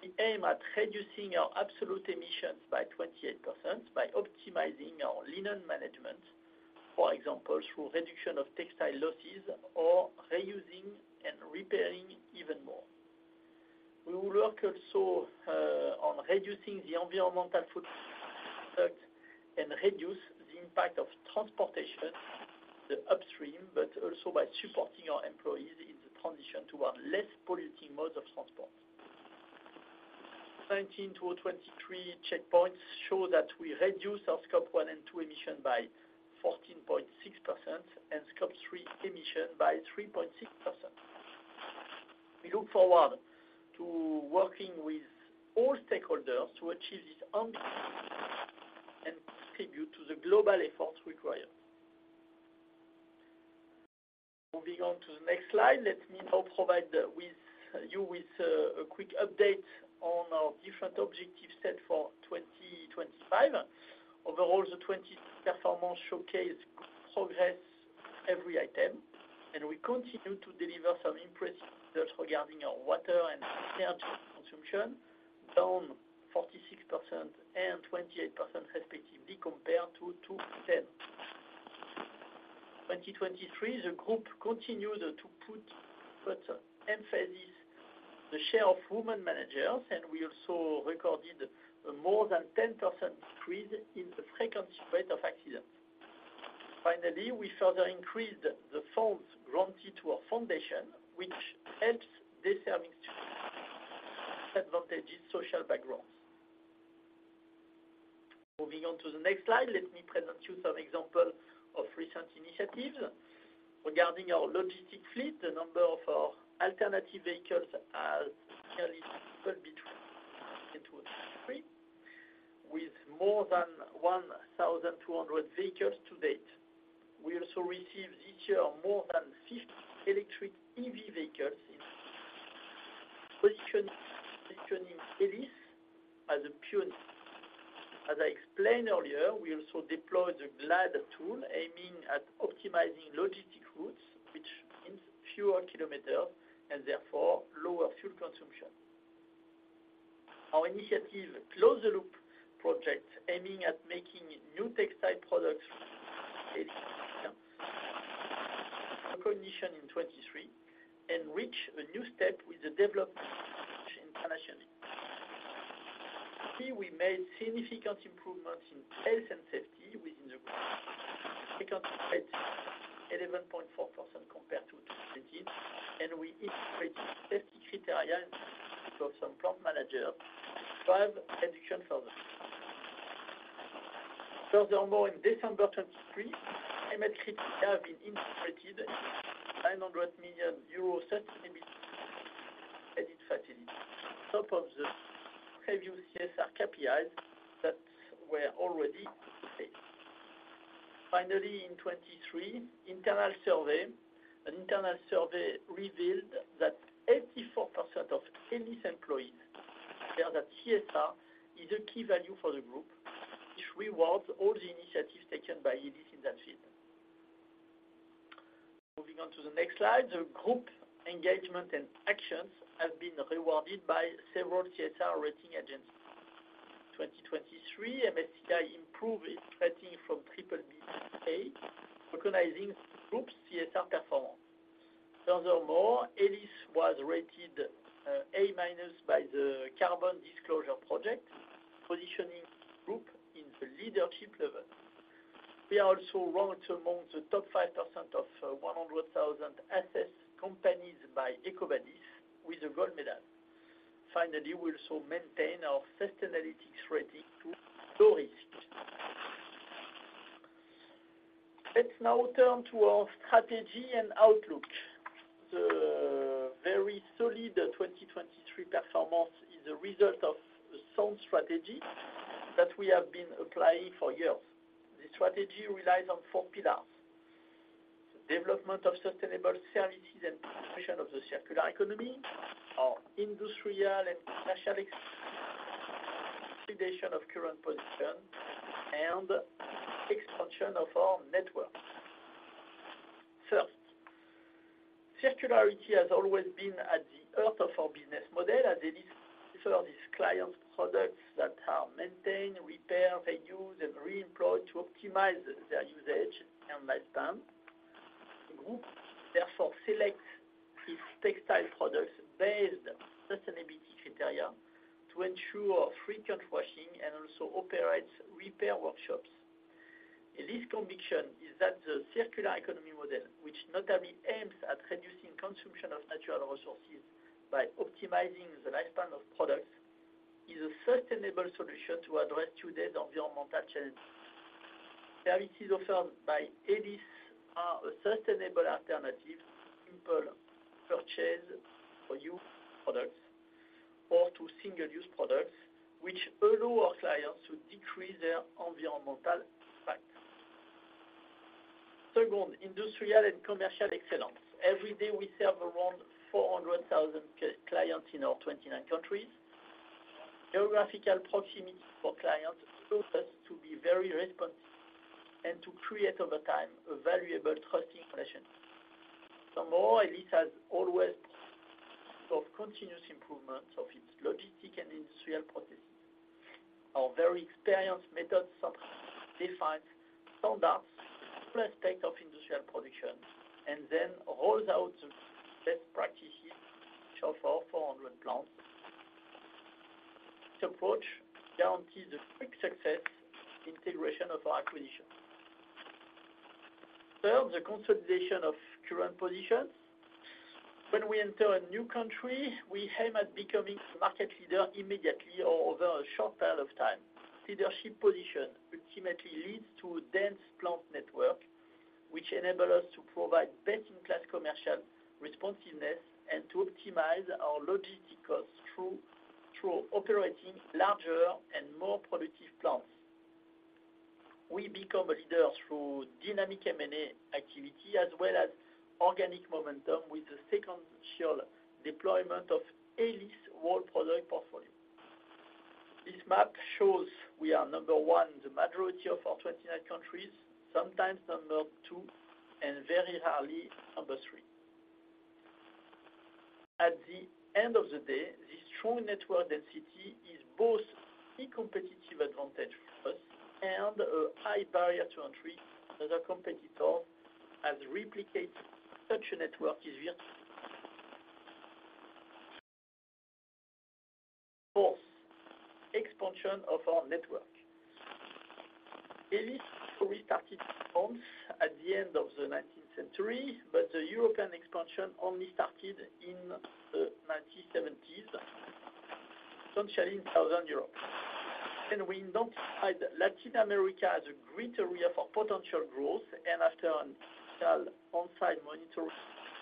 we aim at reducing our absolute emissions by 28% by optimizing our linen management, for example, through reduction of textile losses or reusing and repairing even more. We will work also on reducing the environmental footprint and reduce the impact of transportation, the upstream, but also by supporting our employees in the transition toward less polluting modes of transport. 2019-2023 checkpoints show that we reduced our Scope 1 and 2 emissions by 14.6% and Scope 3 emissions by 3.6%. We look forward to working with all stakeholders to achieve this ambition and contribute to the global efforts required. Moving on to the next slide, let me now provide you with a quick update on our different objectives set for 2025. Overall, the 2023 performance showcases progress on every item, and we continue to deliver some impressive results regarding our water and energy consumption, down 46% and 28% respectively, compared to 2010. In 2023, the group continued to put further emphasis on the share of women managers, and we also recorded a more than 10% decrease in the frequency rate of accidents. Finally, we further increased the funds granted to our foundation, which helps deserving students from disadvantaged social backgrounds. Moving on to the next slide, let me present you some examples of recent initiatives. Regarding our logistics fleet, the number of our alternative vehicles has nearly doubled between 2022 and 2023, with more than 1,200 vehicles to date. We also receive each year more than 50 electric EV vehicles, positioning Elis as a pure- As I explained earlier, we also deployed the GLAD tool, aiming at optimizing logistic routes, which means fewer kilometers and therefore lower fuel consumption. Our initiative, Close the Loop project, aiming at making new textile products recognition in 2023 and reach a new step with the development in international. We made significant improvements in health and safety within the group. 11.42% compared to 2019, and we integrated safety criteria for some plant manager, drive education further. Furthermore, in December 2023, climate have been integrated, EUR 900 million sustainability-linked facility, on top of the previous CSR KPIs that were already in place. Finally, in 2023, an internal survey revealed that 84% of Elis employees said that CSR is a key value for the group, which rewards all the initiatives taken by Elis in that field. Moving on to the next slide, the group engagement and actions have been rewarded by several CSR rating agencies. 2023, SBTi improved its rating from BBB to A, recognizing group CSR performance. Furthermore, Elis was rated A- by the Carbon Disclosure Project, positioning group in the leadership level. We are also ranked among the top 5% of 100,000 assessed companies by EcoVadis with a gold medal. Finally, we also maintain our sustainability rating to low risk. Let's now turn to our strategy and outlook. The very solid 2023 performance is a result of a sound strategy that we have been applying for years. The strategy relies on four pillars: development of sustainable services and expansion of the circular economy, our industrial and commercial expansion of current position, and expansion of our network. First, circularity has always been at the heart of our business model, as these are client products that are maintained, repaired, reused, and reemployed to optimize their usage and lifespan. The group therefore selects its textile products based on sustainability criteria to ensure frequent washing and also operates repair workshops. Elis' conviction is that the circular economy model, which notably aims at reducing consumption of natural resources by optimizing the lifespan of products, is a sustainable solution to address today's environmental challenges. Services offered by Elis are a sustainable alternative to simple purchase-for-use products or to single-use products, which allow our clients to decrease their environmental impact. Second, industrial and commercial excellence. Every day, we serve around 400,000 clients in our 29 countries. Geographical proximity for clients allows us to be very responsive and to create, over time, a valuable trusting relationship. Moreover, Elis has always pursued continuous improvement of its logistics and industrial processes. Our very experienced methods team defines standards for all aspects of industrial production, and then rolls out the best practices for our 400 plants. This approach guarantees the quick and successful integration of our acquisition. Third, the consolidation of current position. When we enter a new country, we aim at becoming market leader immediately or over a short period of time. Leadership position ultimately leads to a dense plant network, which enable us to provide best-in-class commercial responsiveness and to optimize our logistics costs through operating larger and more productive plants. We become a leader through dynamic M&A activity, as well as organic momentum with the sequential deployment of Elis' whole product portfolio. This map shows we are number one in the majority of our 29 countries, sometimes number two, and very rarely, number three. At the end of the day, this strong network density is both a competitive advantage for us and a high barrier to entry for the competitor, as replicating such a network is very. Fourth, expansion of our network. Elis' story started at home at the end of the 19th century, but the European expansion only started in the 1970s, essentially in Southern Europe. And we identified that Latin America as a great area for potential growth, and after on-site monitoring,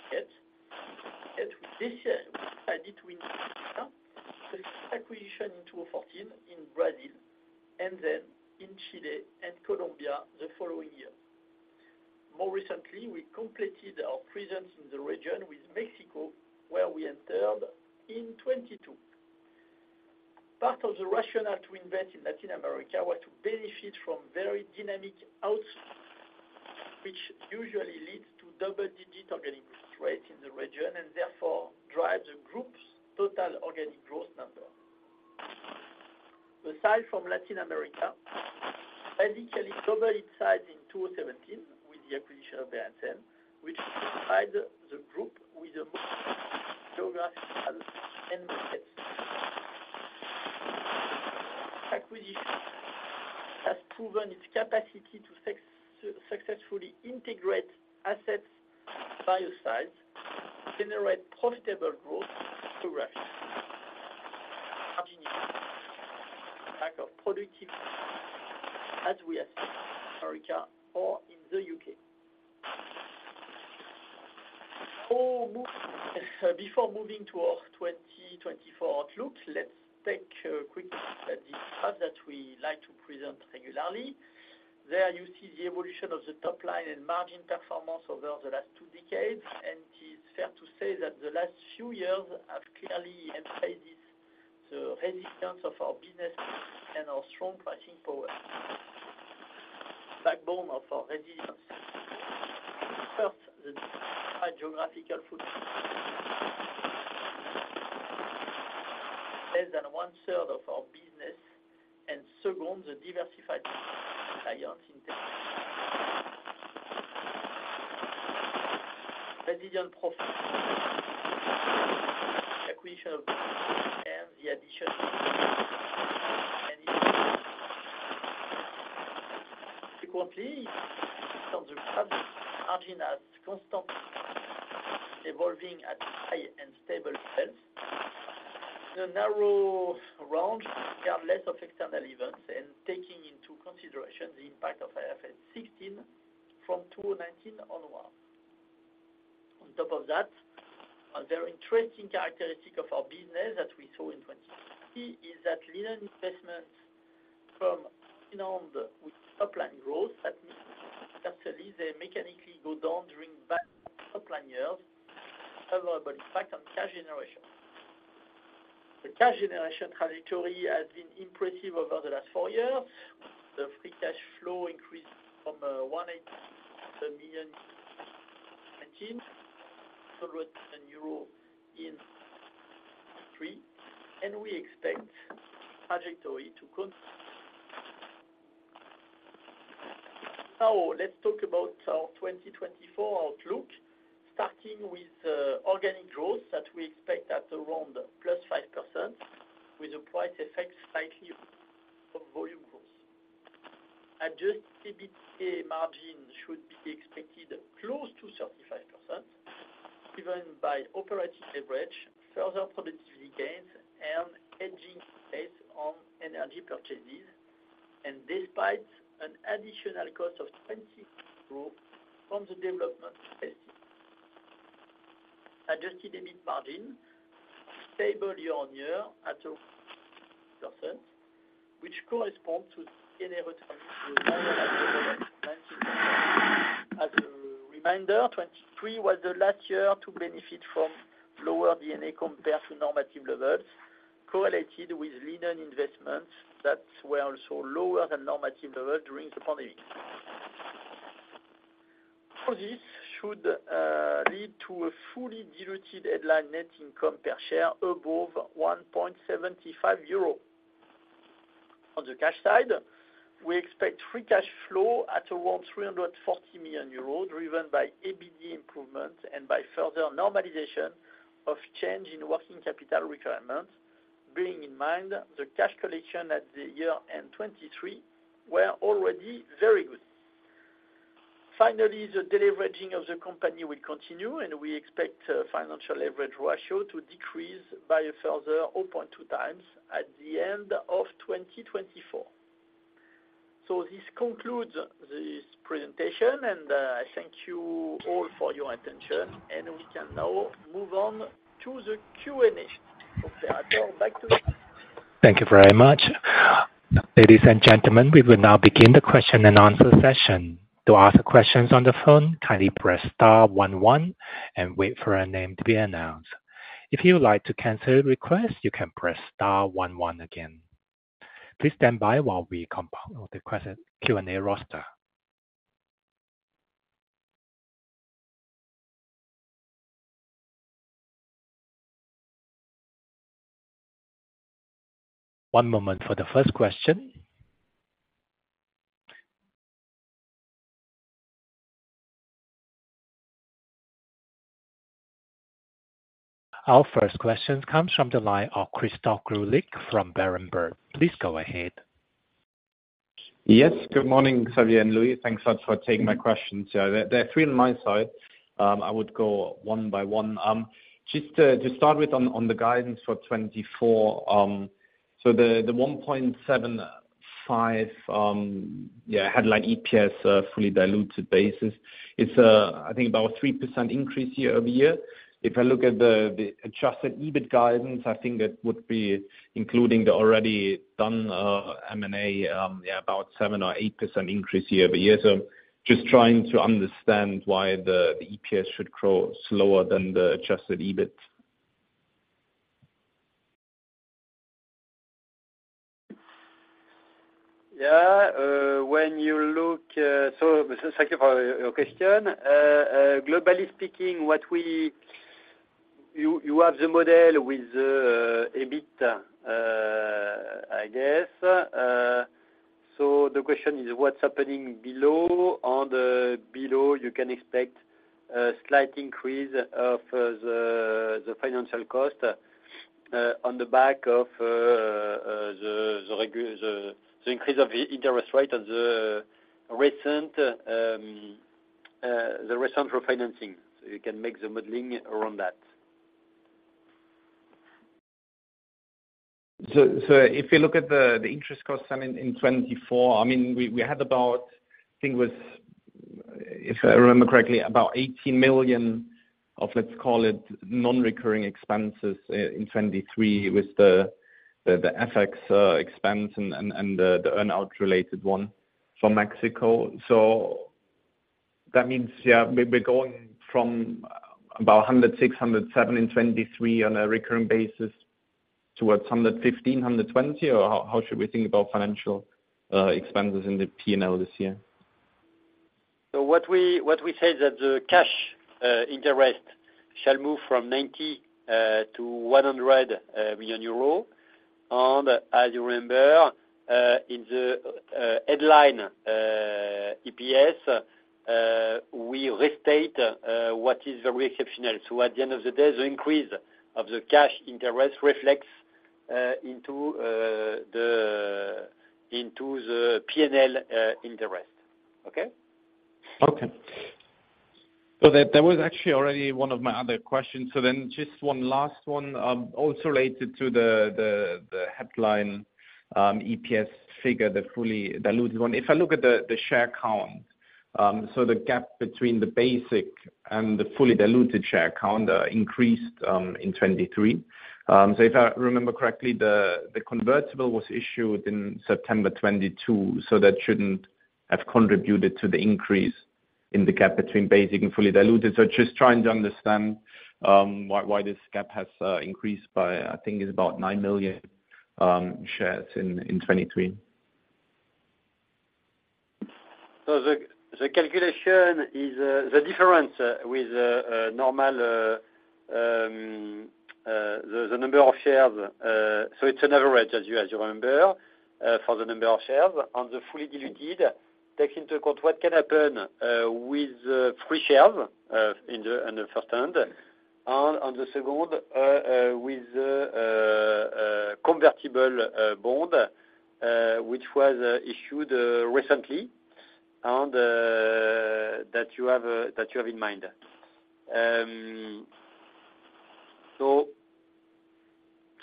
we decided we acquisition in 2014 in Brazil, and then in Chile and Colombia the following year. More recently, we completed our presence in the region with Mexico, where we entered in 2022. Part of the rationale to invest in Latin America were to benefit from very dynamic outlook, which usually leads to double-digit organic growth rate in the region, and therefore drive the group's total organic growth number. Aside from Latin America, additionally doubled its size in 2017 with the acquisition of Berendsen, which provided the group with a geographical and market. Acquisition has proven its capacity to successfully integrate assets by size, generate profitable growth geographically. Unlock productivity, as we have in America or in the U.K. So before moving to our 2024 outlook, let's take a quick look at the path that we like to present regularly. There you see the evolution of the top line and margin performance over the last two decades, and it is fair to say that the last few years have clearly emphasized the resistance of our business and our strong pricing power. Backbone of our resilience. First, the geographical footprint. Less than one-third of our business, and second, the diversified clients in Brazilian profit. Acquisition of and the addition of Subsequently, from the margin at constant, evolving at high and stable levels. The narrow range, regardless of external events and taking into consideration the impact of IFRS 16 from 2019 onward. On top of that, a very interesting characteristic of our business that we saw in 2016 is that linen investments from with top line growth, that means actually, they mechanically go down during bad top line years, have a positive effect on cash generation. The cash generation trajectory has been impressive over the last four years. The free cash flow increased from 18 million in 2019 to 100 million in 2023, and we expect trajectory to continue. So let's talk about our 2024 outlook, starting with organic growth that we expect at around +5%, with the price effect slightly out of volume growth. Adjusted EBITDA margin should be expected close to 35%, driven by operating leverage, further productivity gains, and hedging effect on energy purchases, and despite an additional cost of 20 million euros from the development phase. Adjusted EBIT margin, stable year-on-year at 8%, which corresponds to D&A returning to 90%. As a reminder, 2023 was the last year to benefit from lower D&A compared to normative levels, correlated with linear investments that were also lower than normative level during the pandemic. All this should lead to a fully diluted headline net income per share above 1.75 euro. On the cash side, we expect free cash flow at around 340 million euros, driven by EBITDA improvement and by further normalization of change in working capital requirements bearing in mind, the cash collection at the year end 2023 were already very good. Finally, the deleveraging of the company will continue, and we expect financial leverage ratio to decrease by a further 0.2 times at the end of 2024. This concludes this presentation, and I thank you all for your attention. We can now move on to the Q&A. Operator, back to you. Thank you very much. Ladies and gentlemen, we will now begin the question and answer session. To ask questions on the phone, kindly press star one one and wait for your name to be announced. If you would like to cancel a request, you can press star one one again. Please stand by while we compile the Q&A roster. One moment for the first question. Our first question comes from the line of Christoph Greulich from Berenberg. Please go ahead. Yes, good morning, Xavier and Louis. Thanks a lot for taking my questions. There are three on my side. I would go one by one. Just to start with, on the guidance for 2024, so the 1.75, yeah, headline EPS, fully diluted basis, it's, I think about a 3% increase year-over-year. If I look at the adjusted EBIT guidance, I think that would be including the already done M&A, yeah, about 7% or 8% increase year-over-year. So just trying to understand why the EPS should grow slower than the adjusted EBIT. Yeah, when you look... So thank you for your question. Globally speaking, what you, you have the model with, EBIT, I guess. So the question is, what's happening below? On the below, you can expect a slight increase of, the financial cost, on the back of, the increase of the interest rate on the recent, the recent refinancing. So you can make the modeling around that. So if you look at the interest cost, I mean, in 2024, I mean, we had about, I think it was, if I remember correctly, about 18 million of, let's call it, non-recurring expenses in 2023 with the FX expense and the earn-out related one from Mexico. So that means, yeah, we're going from about 106 million-107 million in 2023 on a recurring basis towards 115 million-120 million, or how should we think about financial expenses in the P&L this year? So what we, what we say that the cash interest shall move from 90 million - 100 million euro. And as you remember, in the headline EPS, we restate what is very exceptional. So at the end of the day, the increase of the cash interest reflects into the P&L interest. Okay? Okay. So that was actually already one of my other questions. So then just one last one, also related to the headline EPS figure, the fully diluted one. If I look at the share count, so the gap between the basic and the fully diluted share count increased in 2023. So if I remember correctly, the convertible was issued in September 2022, so that shouldn't have contributed to the increase in the gap between basic and fully diluted. So just trying to understand why this gap has increased by, I think it's about 9 million shares in 2023. So the calculation is the difference with a normal number of shares, so it's an average, as you remember, for the number of shares. On the fully diluted, takes into account what can happen with the free shares, on the first hand. And on the second, with the convertible bond, which was issued recently and that you have in mind.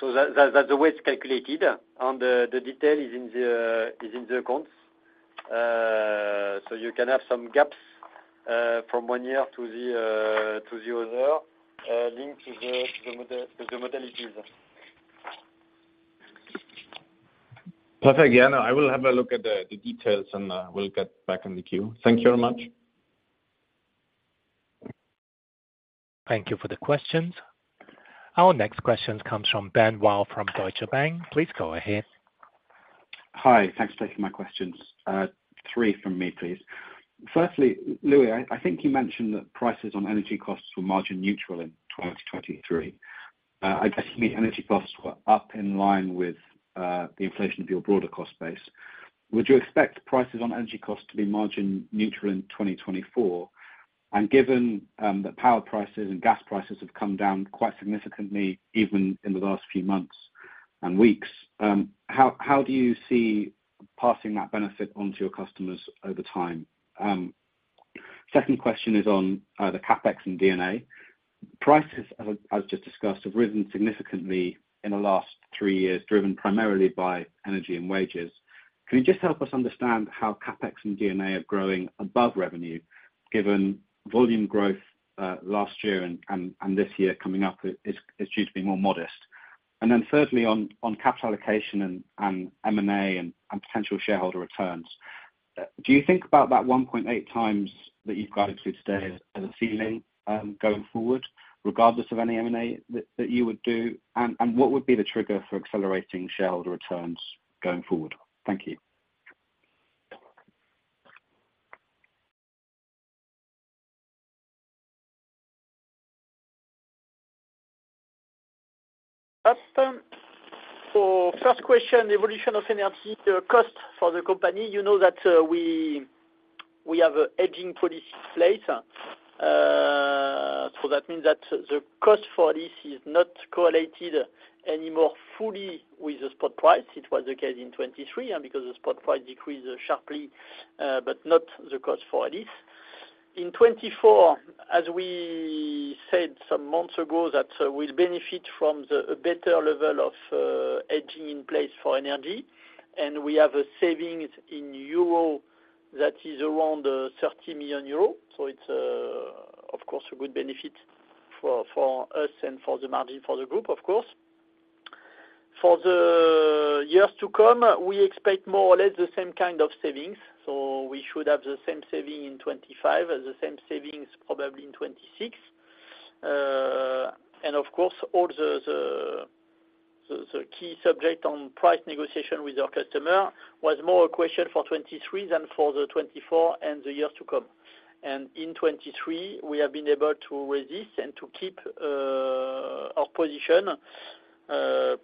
So that's the way it's calculated, and the detail is in the accounts. So you can have some gaps from one year to the other, linked to the model, the modalities. Perfect. Yeah, I will have a look at the details, and we'll get back in the queue. Thank you very much. Thank you for the questions. Our next question comes from Ben Wild from Deutsche Bank. Please go ahead. Hi. Thanks for taking my questions. Three from me, please. Firstly, Louis, I think you mentioned that prices on energy costs were margin neutral in 2023. I guess the energy costs were up in line with the inflation of your broader cost base. Would you expect prices on energy costs to be margin neutral in 2024? And given the power prices and gas prices have come down quite significantly, even in the last few months and weeks, how do you see passing that benefit on to your customers over time? Second question is on the CapEx and D&A. Prices, as just discussed, have risen significantly in the last three years, driven primarily by energy and wages. Can you just help us understand how CapEx and EBITDA are growing above revenue, given volume growth last year and this year coming up is due to be more modest? And then thirdly, on capital allocation and M&A and potential shareholder returns, do you think about that 1.8 times that you've guided to today as a ceiling going forward, regardless of any M&A that you would do? And what would be the trigger for accelerating shareholder returns going forward? Thank you. So first question, evolution of energy, the cost for the company. You know that, we have a hedging policy in place. So that means that the cost for this is not correlated anymore fully with the spot price. It was the case in 2023, and because the spot price decreased sharply, but not the cost for this. In 2024, as we said some months ago, that we'll benefit from a better level of hedging in place for energy, and we have a savings in euros that is around 30 million euro. So it's, of course, a good benefit for us and for the margin for the group, of course. For the years to come, we expect more or less the same kind of savings. So we should have the same saving in 2025 as the same savings probably in 2026. And of course, all the key subject on price negotiation with our customer was more a question for 2023 than for 2024 and the years to come. And in 2023, we have been able to resist and to keep our position,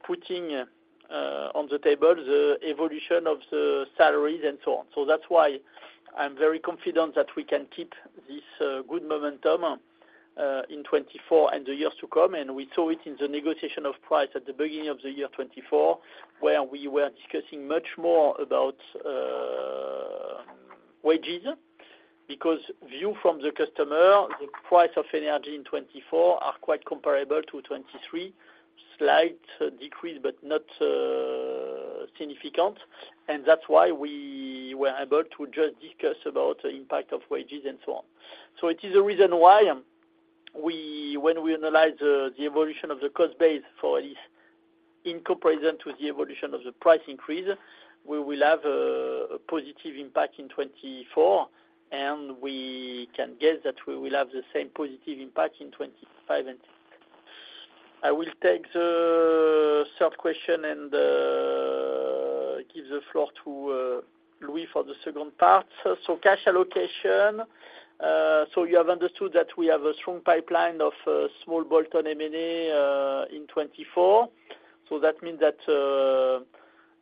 putting on the table the evolution of the salaries and so on. So that's why I'm very confident that we can keep this good momentum in 2024 and the years to come, and we saw it in the negotiation of price at the beginning of the year 2024, where we were discussing much more about wages. Because view from the customer, the price of energy in 2024 are quite comparable to 2023. Slight decrease, but not significant, and that's why we were able to just discuss about the impact of wages and so on. So it is a reason why we, when we analyze the evolution of the cost base for this, in comparison to the evolution of the price increase, we will have a positive impact in 2024, and we can guess that we will have the same positive impact in 2025. I will take the third question and give the floor to Louis for the second part. So cash allocation, so you have understood that we have a strong pipeline of small bolt-on M&A in 2024. So that means that,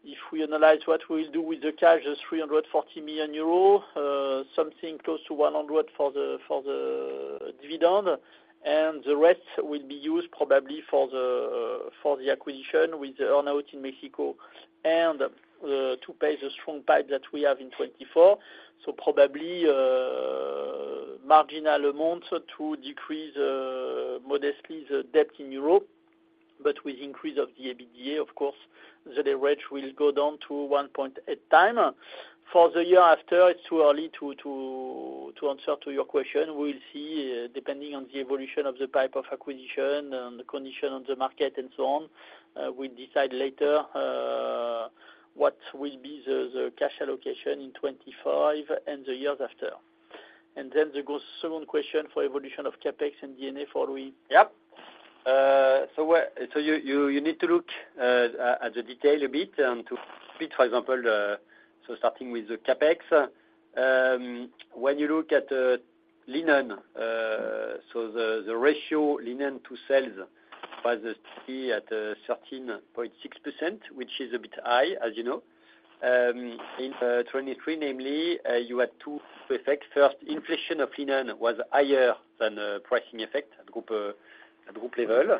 if we analyze what we'll do with the cash, the 340 million euro, something close to 100 million for the dividend, and the rest will be used probably for the acquisition with the earn-out in Mexico and to pay the strong pipeline that we have in 2024. So probably, marginal amounts to decrease modestly the debt in Europe, but with increase of the EBITDA, of course, the leverage will go down to 1.8 times. For the year after, it's too early to answer to your question. We'll see, depending on the evolution of the type of acquisition and the condition on the market and so on, we'll decide later, what will be the cash allocation in 2025 and the years after. Second question for evolution of CapEx and D&A for Louis. Yep. So where, so you need to look at the detail a bit, to fit, for example, the... So starting with the CapEx, when you look at the linen, so the ratio linen to sales was at 13.6%, which is a bit high, as you know. In 2023, namely, you had two effects. First, inflation of linen was higher than the pricing effect at group level.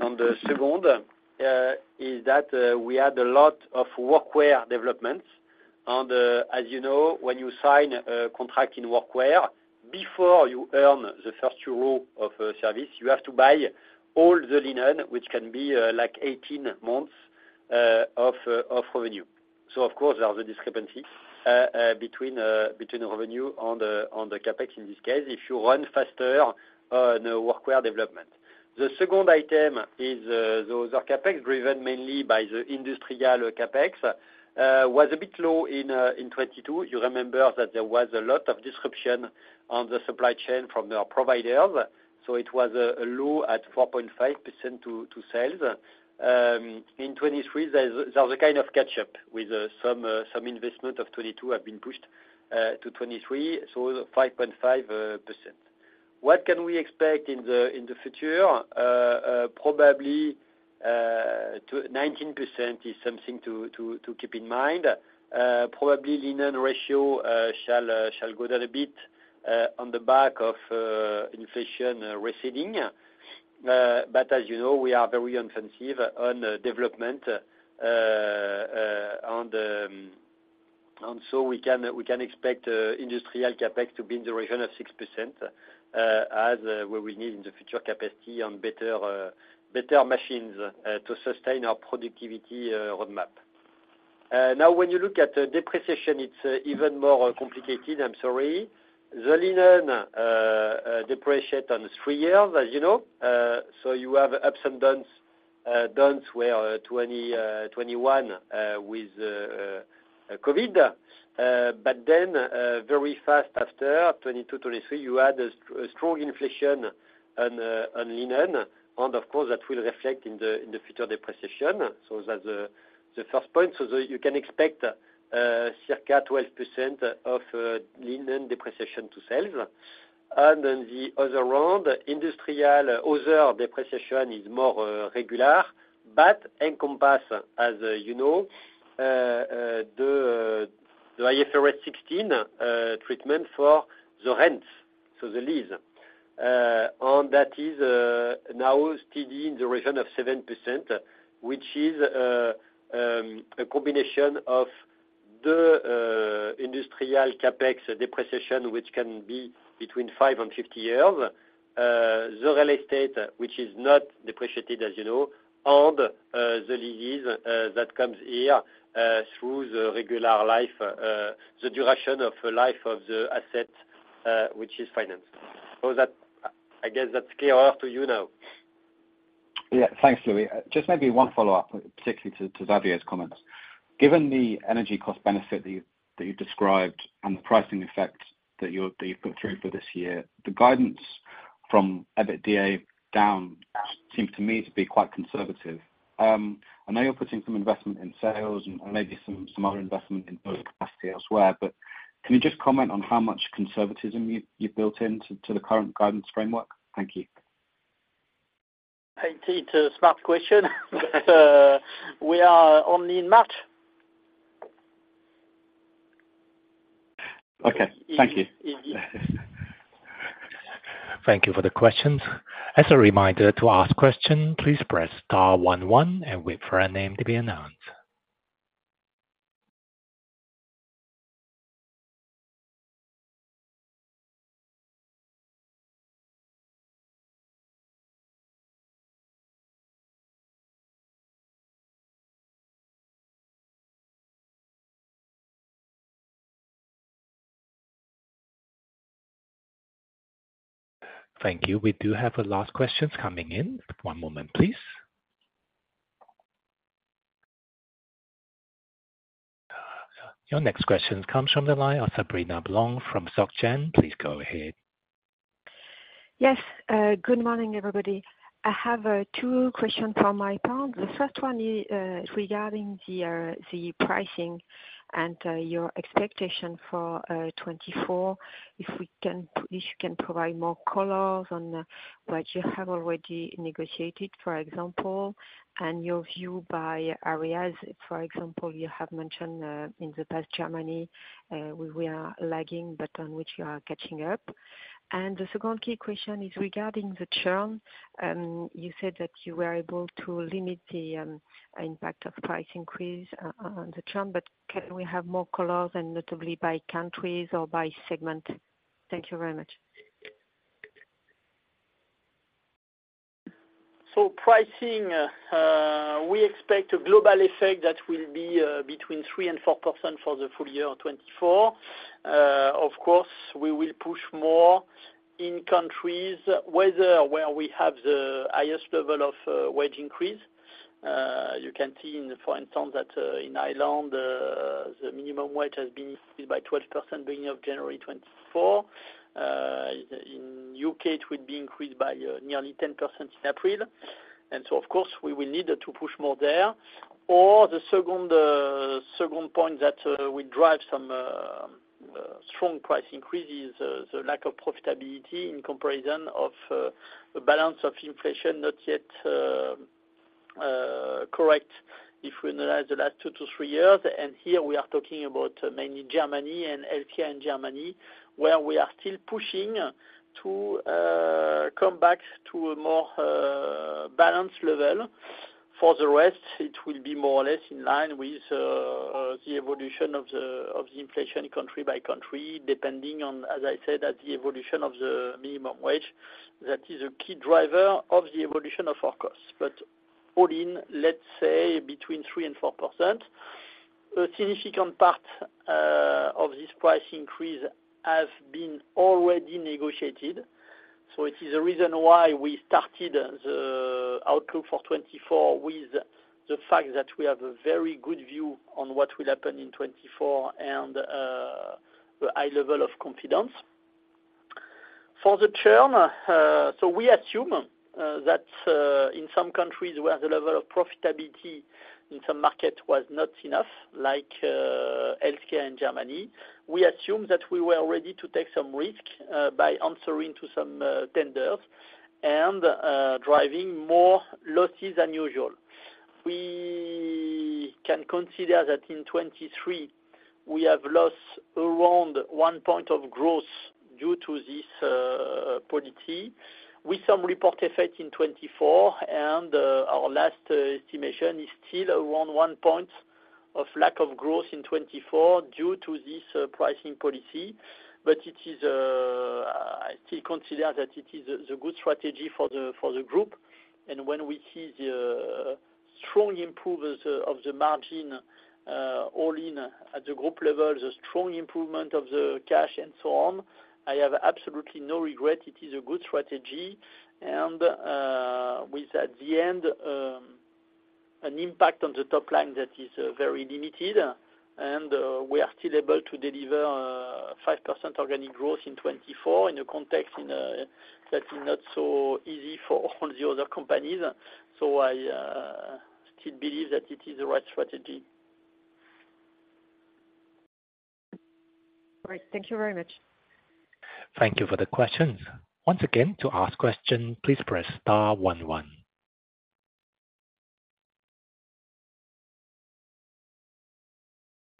And the second is that we had a lot of workwear developments. And as you know, when you sign a contract in workwear, before you earn the first EUR of a service, you have to buy all the linen, which can be like 18 months of revenue. So of course, there are the discrepancies between the revenue and the CapEx in this case, if you run faster on the workwear development. The second item is, those are CapEx, driven mainly by the industrial CapEx, was a bit low in 2022. You remember that there was a lot of disruption on the supply chain from their providers, so it was low at 4.5% to sales. In 2023, there was a kind of catch up with some investment of 2022 have been pushed to 2023, so 5.5%.... What can we expect in the future? Probably to 19% is something to keep in mind. Probably linen ratio shall go down a bit on the back of inflation receding. But as you know, we are very offensive on development, and so we can expect industrial CapEx to be in the region of 6%, as where we need in the future capacity on better machines to sustain our productivity roadmap. Now, when you look at the depreciation, it's even more complicated. I'm sorry. The linen depreciate on 3 years, as you know. So you have ups and downs, downs where 2021 with COVID. But then, very fast after 2022, 2023, you had a strong inflation on linen, and of course, that will reflect in the future depreciation. So that's the first point. So you can expect circa 12% of linen depreciation to sell. And then the other round, industrial other depreciation is more regular, but encompasses, as you know, the IFRS 16 treatment for the rents, so the lease. And that is now steady in the region of 7%, which is a combination of the industrial CapEx depreciation, which can be between 5 and 50 years. The real estate, which is not depreciated, as you know, and the leases that comes here through the regular life, the duration of life of the asset, which is financed. So that—I guess that's clear up to you now. Yeah. Thanks, Louis. Just maybe one follow-up, particularly to, to Xavier's comments. Given the energy cost benefit that you, that you described and the pricing effect that you, that you've put through for this year, the guidance from EBITDA down seems to me to be quite conservative. I know you're putting some investment in sales and maybe some, some other investment in capacity elsewhere, but can you just comment on how much conservatism you've, you've built into, to the current guidance framework? Thank you. I think it's a smart question, but, we are only in March. Okay. Thank you. Mm-hmm. Thank you for the questions. As a reminder to ask question, please press star one, one and wait for your name to be announced. Thank you. We do have a last questions coming in. One moment, please. Your next question comes from the line of Sabrina Blanc from Soc Gen. Please go ahead. Yes. Good morning, everybody. I have two questions from my part. The first one is regarding the pricing and your expectation for 2024, if you can provide more colors on what you have already negotiated, for example, and your view by areas. For example, you have mentioned in the past, Germany, we are lagging, but on which you are catching up. And the second key question is regarding the churn. You said that you were able to limit the impact of price increase on the churn, but can we have more colors and notably by countries or by segment? Thank you very much. So pricing, we expect a global effect that will be between 3% and 4% for the full year of 2024. Of course, we will push more in countries where we have the highest level of wage increase. You can see, for instance, that in Ireland, the minimum wage has been increased by 12%, beginning of January 2024. In U.K., it will be increased by nearly 10% in April. And so of course, we will need to push more there. Or the second point that will drive some strong price increases, the lack of profitability in comparison of the balance of inflation, not yet correct, if we analyze the last two to three years. Here we are talking about mainly Germany and LKL in Germany, where we are still pushing to come back to a more balanced level. For the rest, it will be more or less in line with the evolution of the inflation country by country, depending on, as I said, at the evolution of the minimum wage, that is a key driver of the evolution of our costs. But all in, let's say, between 3% and 4%. A significant part of this price increase has been already negotiated. It is a reason why we started the outlook for 2024, with the fact that we have a very good view on what will happen in 2024 and a high level of confidence. For the churn, so we assume that in some countries where the level of profitability in some markets was not enough, like healthcare in Germany, we assume that we were ready to take some risk by answering to some tenders and driving more losses than usual. We can consider that in 2023, we have lost around one point of growth due to this policy, with some report effect in 2024. And our last estimation is still around one point of lack of growth in 2024 due to this pricing policy. But it is, I still consider that it is the good strategy for the group. When we see the strong improvement of the margin all in at the group level, the strong improvement of the cash and so on, I have absolutely no regret. It is a good strategy. And with at the end an impact on the top line that is very limited, and we are still able to deliver 5% organic growth in 2024 in a context that is not so easy for all the other companies. So I still believe that it is the right strategy. Great. Thank you very much. Thank you for the question. Once again, to ask question, please press star one, one.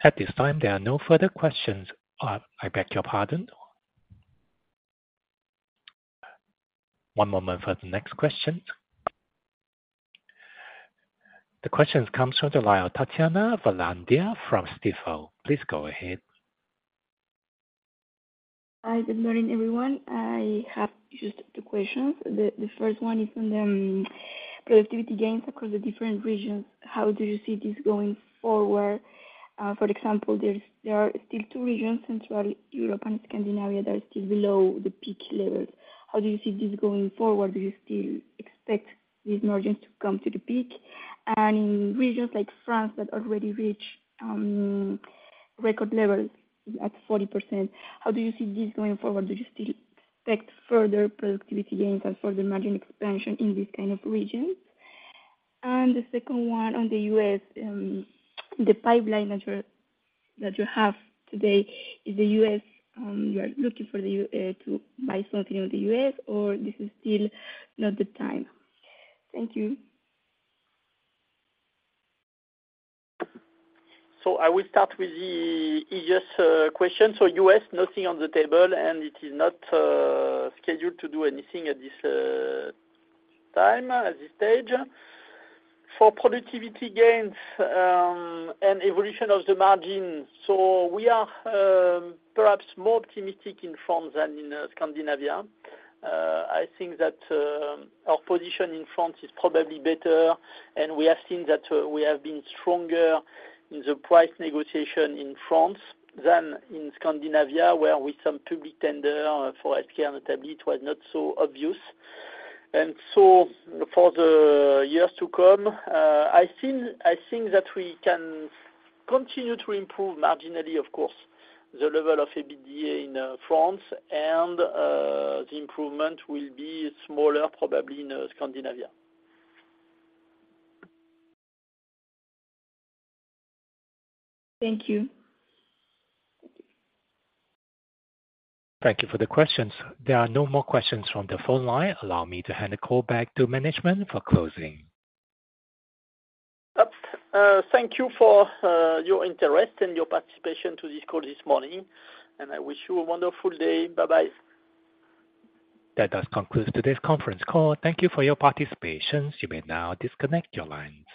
At this time, there are no further questions. I beg your pardon. One moment for the next question. The question comes from the line of Tatiana Valandia from Stifel. Please go ahead. Hi, good morning, everyone. I have just two questions. The first one is on the productivity gains across the different regions. How do you see this going forward? For example, there are still two regions, Central Europe and Scandinavia, that are still below the peak levels. How do you see this going forward? Do you still expect these margins to come to the peak? And in regions like France, that already reach record levels at 40%, how do you see this going forward? Do you still expect further productivity gains and further margin expansion in these kind of regions? And the second one on the U.S., the pipeline that you have today in the U.S., you are looking to buy something in the U.S., or this is still not the time? Thank you. So I will start with the easiest question. So US, nothing on the table, and it is not scheduled to do anything at this time, at this stage. For productivity gains, and evolution of the margin, so we are perhaps more optimistic in France than in Scandinavia. I think that our position in France is probably better, and we have seen that we have been stronger in the price negotiation in France than in Scandinavia, where with some public tender for HP and the tablet, was not so obvious. And so for the years to come, I think, I think that we can continue to improve marginally, of course, the level of EBITDA in France and the improvement will be smaller, probably in Scandinavia. Thank you. Thank you for the questions. There are no more questions from the phone line. Allow me to hand the call back to management for closing. Thank you for your interest and your participation to this call this morning, and I wish you a wonderful day. Bye-bye. That does conclude today's conference call. Thank you for your participation. You may now disconnect your lines.